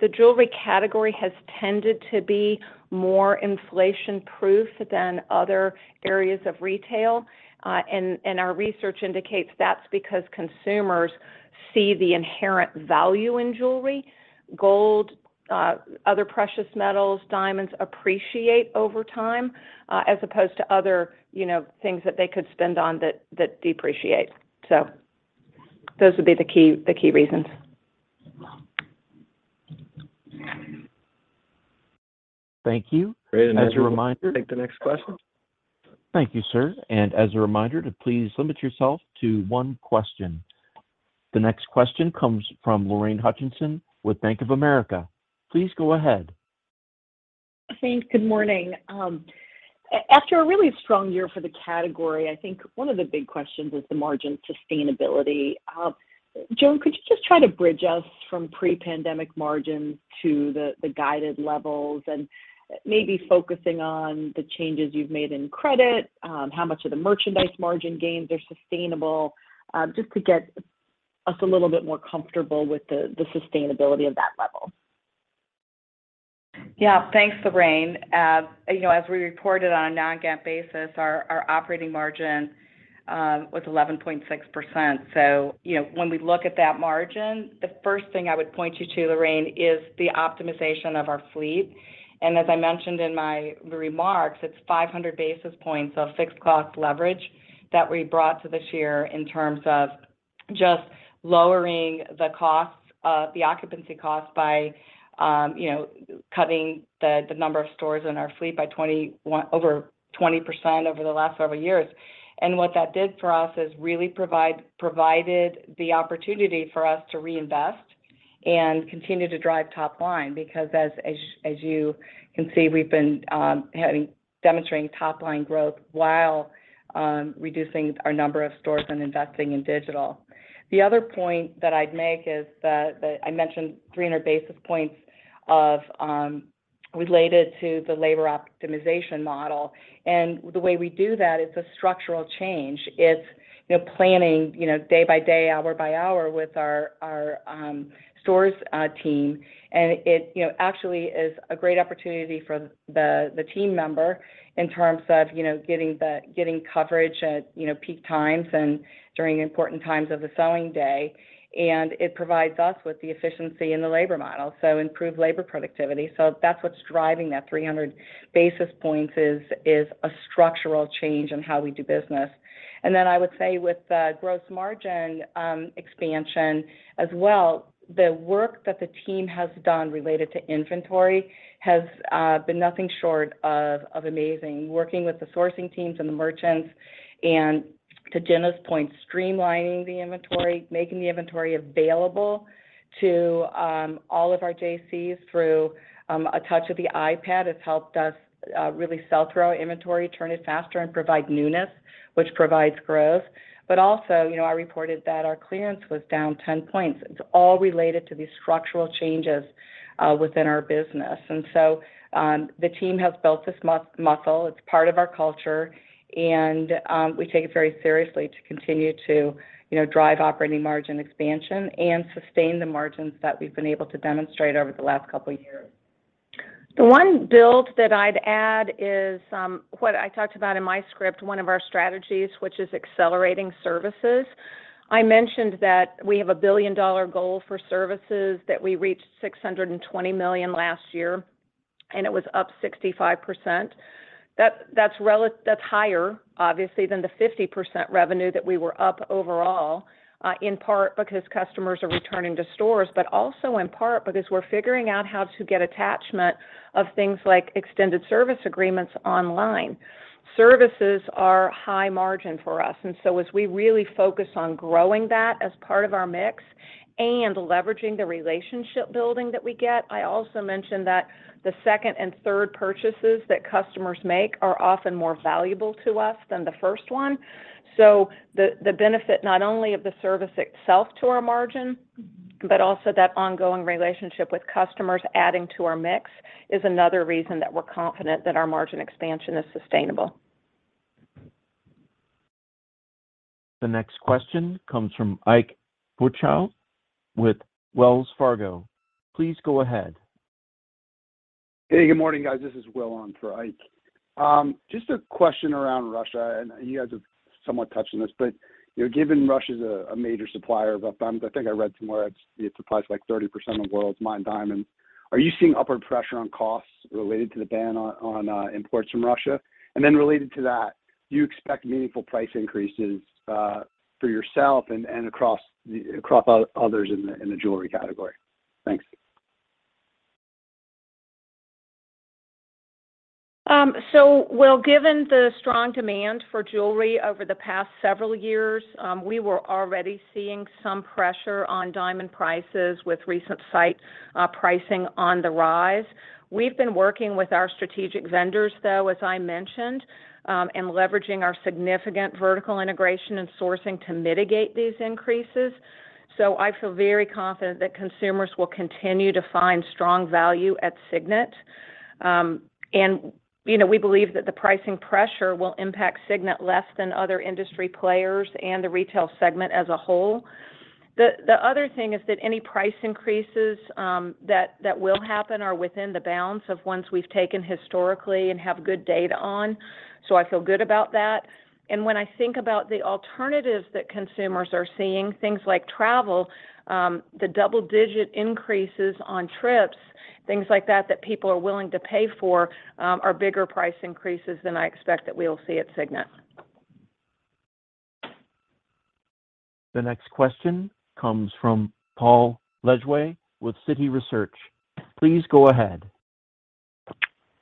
[SPEAKER 3] the jewelry category has tended to be more inflation-proof than other areas of retail. Our research indicates that's because consumers see the inherent value in jewelry. Gold, other precious metals, diamonds appreciate over time, as opposed to other, you know, things that they could spend on that depreciate. Those would be the key reasons.
[SPEAKER 6] Thank you.
[SPEAKER 1] Great. As a reminder.
[SPEAKER 2] Take the next question.
[SPEAKER 1] Thank you, sir. As a reminder to please limit yourself to one question. The next question comes from Lorraine Hutchinson with Bank of America. Please go ahead.
[SPEAKER 7] Thanks. Good morning. After a really strong year for the category, I think one of the big questions is the margin sustainability. Joan, could you just try to bridge us from pre-pandemic margins to the guided levels and maybe focusing on the changes you've made in credit, how much of the merchandise margin gains are sustainable, just to get us a little bit more comfortable with the sustainability of that level?
[SPEAKER 4] Yeah. Thanks, Lorraine. You know, as we reported on a non-GAAP basis, our operating margin was 11.6%. You know, when we look at that margin, the first thing I would point you to, Lorraine, is the optimization of our fleet. As I mentioned in my remarks, it's 500 basis points of fixed cost leverage that we brought to this year in terms of just lowering the costs, the occupancy costs by you know, cutting the number of stores in our fleet by over 20% over the last several years. What that did for us is really provided the opportunity for us to reinvest and continue to drive top line, because as you can see, we've been demonstrating top line growth while reducing our number of stores and investing in digital. The other point that I'd make is that I mentioned 300 basis points related to the labor optimization model. The way we do that, it's a structural change. It's you know, planning you know, day by day, hour by hour with our stores team. It you know, actually is a great opportunity for the team member in terms of you know, getting coverage at you know, peak times and during important times of the selling day. It provides us with the efficiency in the labor model, so improved labor productivity. That's what's driving that 300 basis points is a structural change in how we do business. I would say with the gross margin expansion as well, the work that the team has done related to inventory has been nothing short of amazing. Working with the sourcing teams and the merchants, and to Gina's point, streamlining the inventory, making the inventory available to all of our stores through a touch of the iPad has helped us really sell through our inventory, turn it faster, and provide newness, which provides growth. Also, you know, I reported that our clearance was down 10 points. It's all related to these structural changes within our business. The team has built this muscle. It's part of our culture, and we take it very seriously to continue to, you know, drive operating margin expansion and sustain the margins that we've been able to demonstrate over the last couple years.
[SPEAKER 3] The one build that I'd add is what I talked about in my script, one of our strategies, which is accelerating services. I mentioned that we have a billion-dollar goal for services, that we reached $620 million last year, and it was up 65%. That's higher, obviously, than the 50% revenue that we were up overall, in part because customers are returning to stores, but also in part because we're figuring out how to get attachment of things like extended service agreements online. Services are high margin for us, and so as we really focus on growing that as part of our mix and leveraging the relationship building that we get, I also mentioned that the second and third purchases that customers make are often more valuable to us than the first one. The benefit not only of the service itself to our margin, but also that ongoing relationship with customers adding to our mix is another reason that we're confident that our margin expansion is sustainable.
[SPEAKER 1] The next question comes from Ike Boruchow with Wells Fargo. Please go ahead.
[SPEAKER 8] Hey, good morning, guys. This is Will on for Ike. Just a question around Russia, and you guys have somewhat touched on this, but you know, given Russia's a major supplier of diamonds, I think I read somewhere it supplies, like, 30% of the world's mined diamonds. Are you seeing upward pressure on costs related to the ban on imports from Russia? And then related to that, do you expect meaningful price increases for yourself and across others in the jewelry category? Thanks.
[SPEAKER 3] Given the strong demand for jewelry over the past several years, we were already seeing some pressure on diamond prices with recent sight pricing on the rise. We've been working with our strategic vendors, though, as I mentioned, and leveraging our significant vertical integration and sourcing to mitigate these increases. I feel very confident that consumers will continue to find strong value at Signet. You know, we believe that the pricing pressure will impact Signet less than other industry players and the retail segment as a whole. The other thing is that any price increases that will happen are within the bounds of ones we've taken historically and have good data on, so I feel good about that. When I think about the alternatives that consumers are seeing, things like travel, the double-digit increases on trips. Things like that people are willing to pay for, are bigger price increases than I expect that we will see at Signet.
[SPEAKER 1] The next question comes from Paul Lejuez with Citi Research. Please go ahead.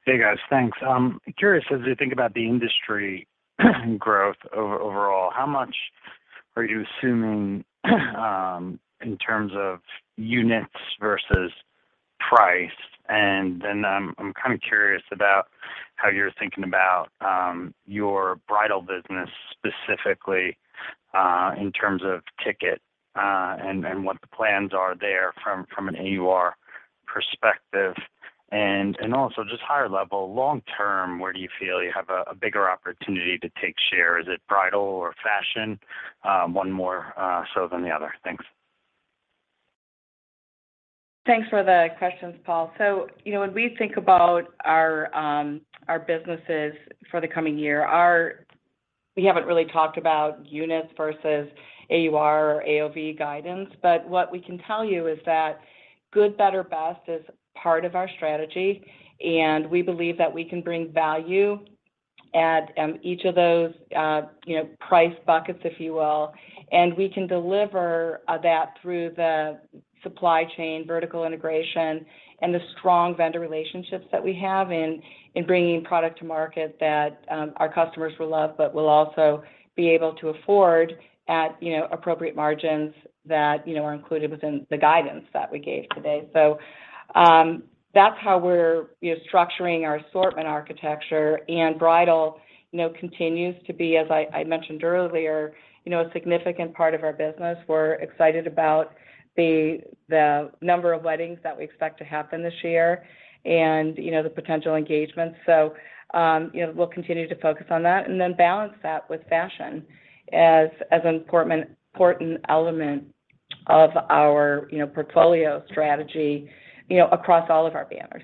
[SPEAKER 9] Hey, guys. Thanks. I'm curious, as you think about the industry growth overall, how much are you assuming in terms of units versus price? I'm kind of curious about how you're thinking about your bridal business specifically in terms of ticket and what the plans are there from an AUR perspective. Also just higher level, long term, where do you feel you have a bigger opportunity to take share? Is it bridal or fashion one more so than the other? Thanks.
[SPEAKER 4] Thanks for the questions, Paul. You know, when we think about our businesses for the coming year. We haven't really talked about units versus AUR or AOV guidance. What we can tell you is that good, better, best is part of our strategy, and we believe that we can bring value at each of those you know price buckets, if you will. We can deliver that through the supply chain, vertical integration, and the strong vendor relationships that we have in bringing product to market that our customers will love but will also be able to afford at you know appropriate margins that you know are included within the guidance that we gave today. That's how we're you know structuring our assortment architecture. Bridal, you know, continues to be, as I mentioned earlier, you know, a significant part of our business. We're excited about the number of weddings that we expect to happen this year and, you know, the potential engagements. You know, we'll continue to focus on that and then balance that with fashion as an important element of our, you know, portfolio strategy, you know, across all of our banners.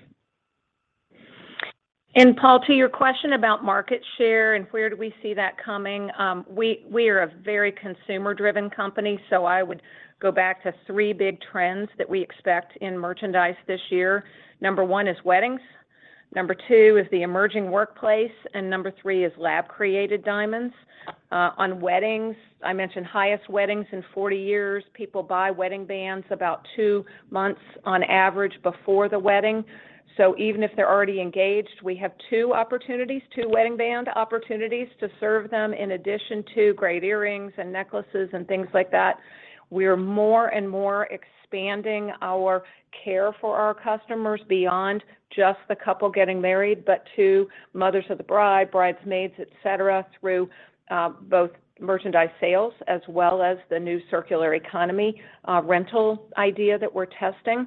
[SPEAKER 3] Paul, to your question about market share and where do we see that coming, we are a very consumer-driven company. I would go back to three big trends that we expect in merchandise this year. Number one is weddings. Number two is the emerging workplace. Number three is lab-created diamonds. On weddings, I mentioned highest weddings in 40 years. People buy wedding bands about two months on average before the wedding. Even if they're already engaged, we have two opportunities, two wedding band opportunities to serve them in addition to great earrings and necklaces and things like that. We're more and more expanding our care for our customers beyond just the couple getting married, but to mothers of the bride, bridesmaids, et cetera, through both merchandise sales as well as the new circular economy rental idea that we're testing.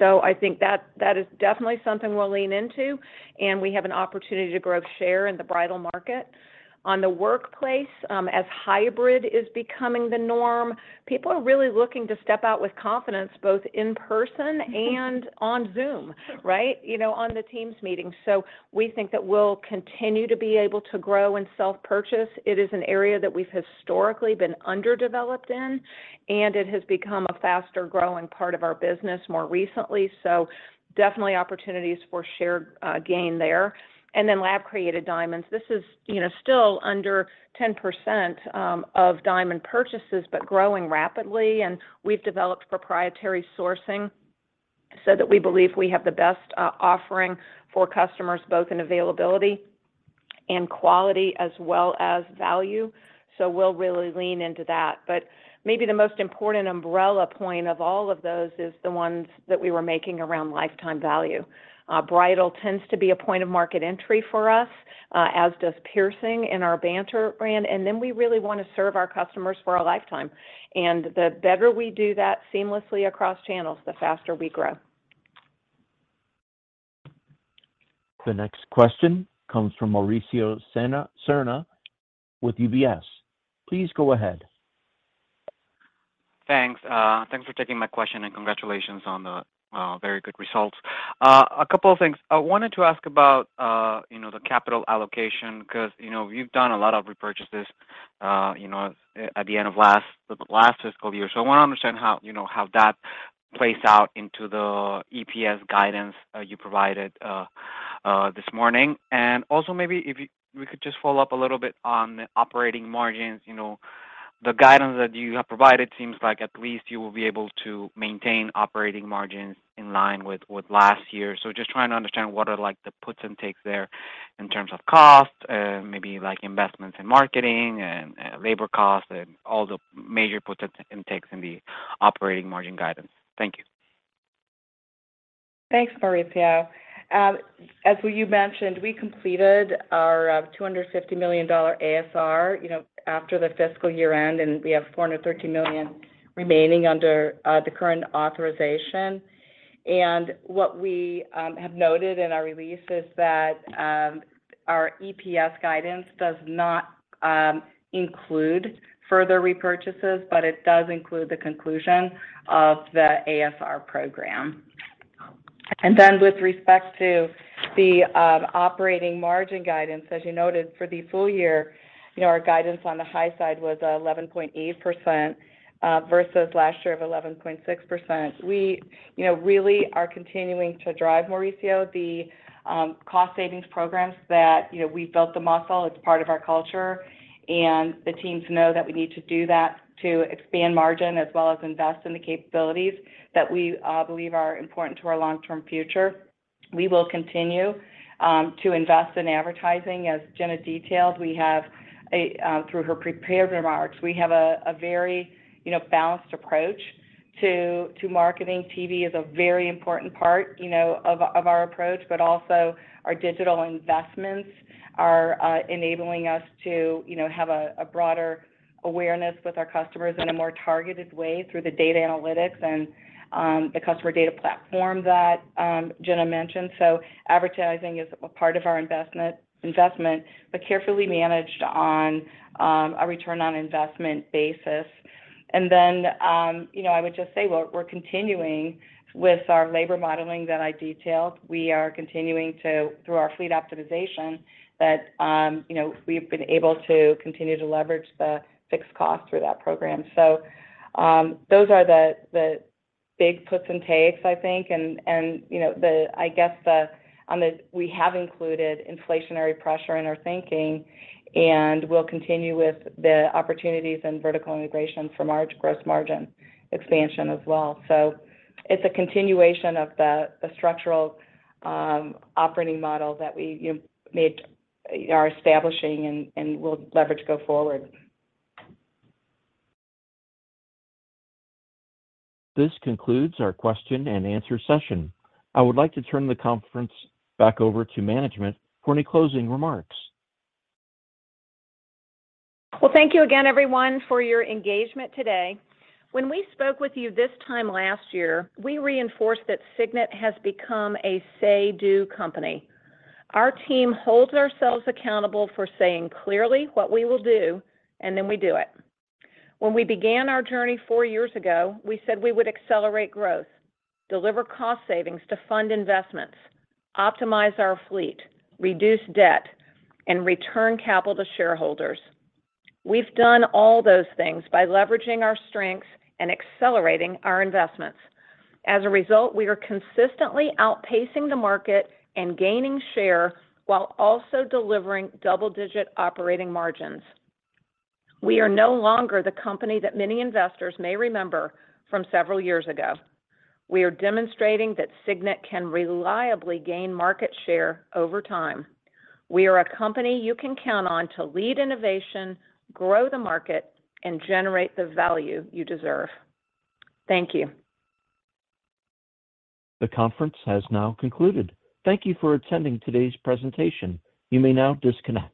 [SPEAKER 3] I think that is definitely something we'll lean into, and we have an opportunity to grow share in the bridal market. On the workplace, as hybrid is becoming the norm, people are really looking to step out with confidence, both in person and on Zoom, right? You know, on the Teams meetings. We think that we'll continue to be able to grow in self-purchase. It is an area that we've historically been underdeveloped in, and it has become a faster-growing part of our business more recently. Definitely opportunities for share gain there. Then lab-created diamonds. This is, you know, still under 10% of diamond purchases, but growing rapidly. We've developed proprietary sourcing so that we believe we have the best offering for customers, both in availability and quality as well as value. We'll really lean into that. Maybe the most important umbrella point of all of those is the ones that we were making around lifetime value. Bridal tends to be a point of market entry for us, as does piercing in our Banter brand. We really wanna serve our customers for a lifetime. The better we do that seamlessly across channels, the faster we grow.
[SPEAKER 1] The next question comes from Mauricio Serna with UBS. Please go ahead.
[SPEAKER 10] Thanks. Thanks for taking my question, and congratulations on the very good results. A couple of things. I wanted to ask about you know, the capital allocation because, you know, you've done a lot of repurchases, you know, at the end of the last fiscal year. I wanna understand how, you know, how that plays out into the EPS guidance you provided this morning. Also maybe if we could just follow up a little bit on operating margins. You know, the guidance that you have provided seems like at least you will be able to maintain operating margins in line with last year. Just trying to understand what are like the puts and takes there in terms of cost, maybe like investments in marketing and labor costs and all the major puts and takes in the operating margin guidance. Thank you.
[SPEAKER 4] Thanks, Mauricio. As you mentioned, we completed our $250 million ASR, you know, after the fiscal year end, and we have $413 million remaining under the current authorization. What we have noted in our release is that our EPS guidance does not include further repurchases, but it does include the conclusion of the ASR program. With respect to the operating margin guidance, as you noted for the full year, you know, our guidance on the high side was 11.8%, versus last year of 11.6%. We you know really are continuing to drive, Mauricio, the cost savings programs that you know we built the muscle, it's part of our culture, and the teams know that we need to do that to expand margin as well as invest in the capabilities that we believe are important to our long-term future. We will continue to invest in advertising. As Gina detailed, through her prepared remarks, we have a very balanced approach to marketing. TV is a very important part of our approach, but also our digital investments are enabling us to have a broader awareness with our customers in a more targeted way through the data analytics and the customer data platform that Gina mentioned. Advertising is a part of our investment, but carefully managed on a return on investment basis. I would just say we're continuing with our labor modeling that I detailed. We are continuing through our fleet optimization that we've been able to continue to leverage the fixed cost through that program. Those are the big puts and takes, I think. We have included inflationary pressure in our thinking, and we'll continue with the opportunities and vertical integration for margin, gross margin expansion as well. It's a continuation of the structural operating model that we are establishing and will leverage go forward.
[SPEAKER 1] This concludes our question and answer session. I would like to turn the conference back over to management for any closing remarks.
[SPEAKER 3] Well, thank you again everyone for your engagement today. When we spoke with you this time last year, we reinforced that Signet has become a say-do company. Our team holds ourselves accountable for saying clearly what we will do, and then we do it. When we began our journey four years ago, we said we would accelerate growth, deliver cost savings to fund investments, optimize our fleet, reduce debt, and return capital to shareholders. We've done all those things by leveraging our strengths and accelerating our investments. As a result, we are consistently outpacing the market and gaining share while also delivering double-digit operating margins. We are no longer the company that many investors may remember from several years ago. We are demonstrating that Signet can reliably gain market share over time. We are a company you can count on to lead innovation, grow the market, and generate the value you deserve. Thank you.
[SPEAKER 1] The conference has now concluded. Thank you for attending today's presentation. You may now disconnect.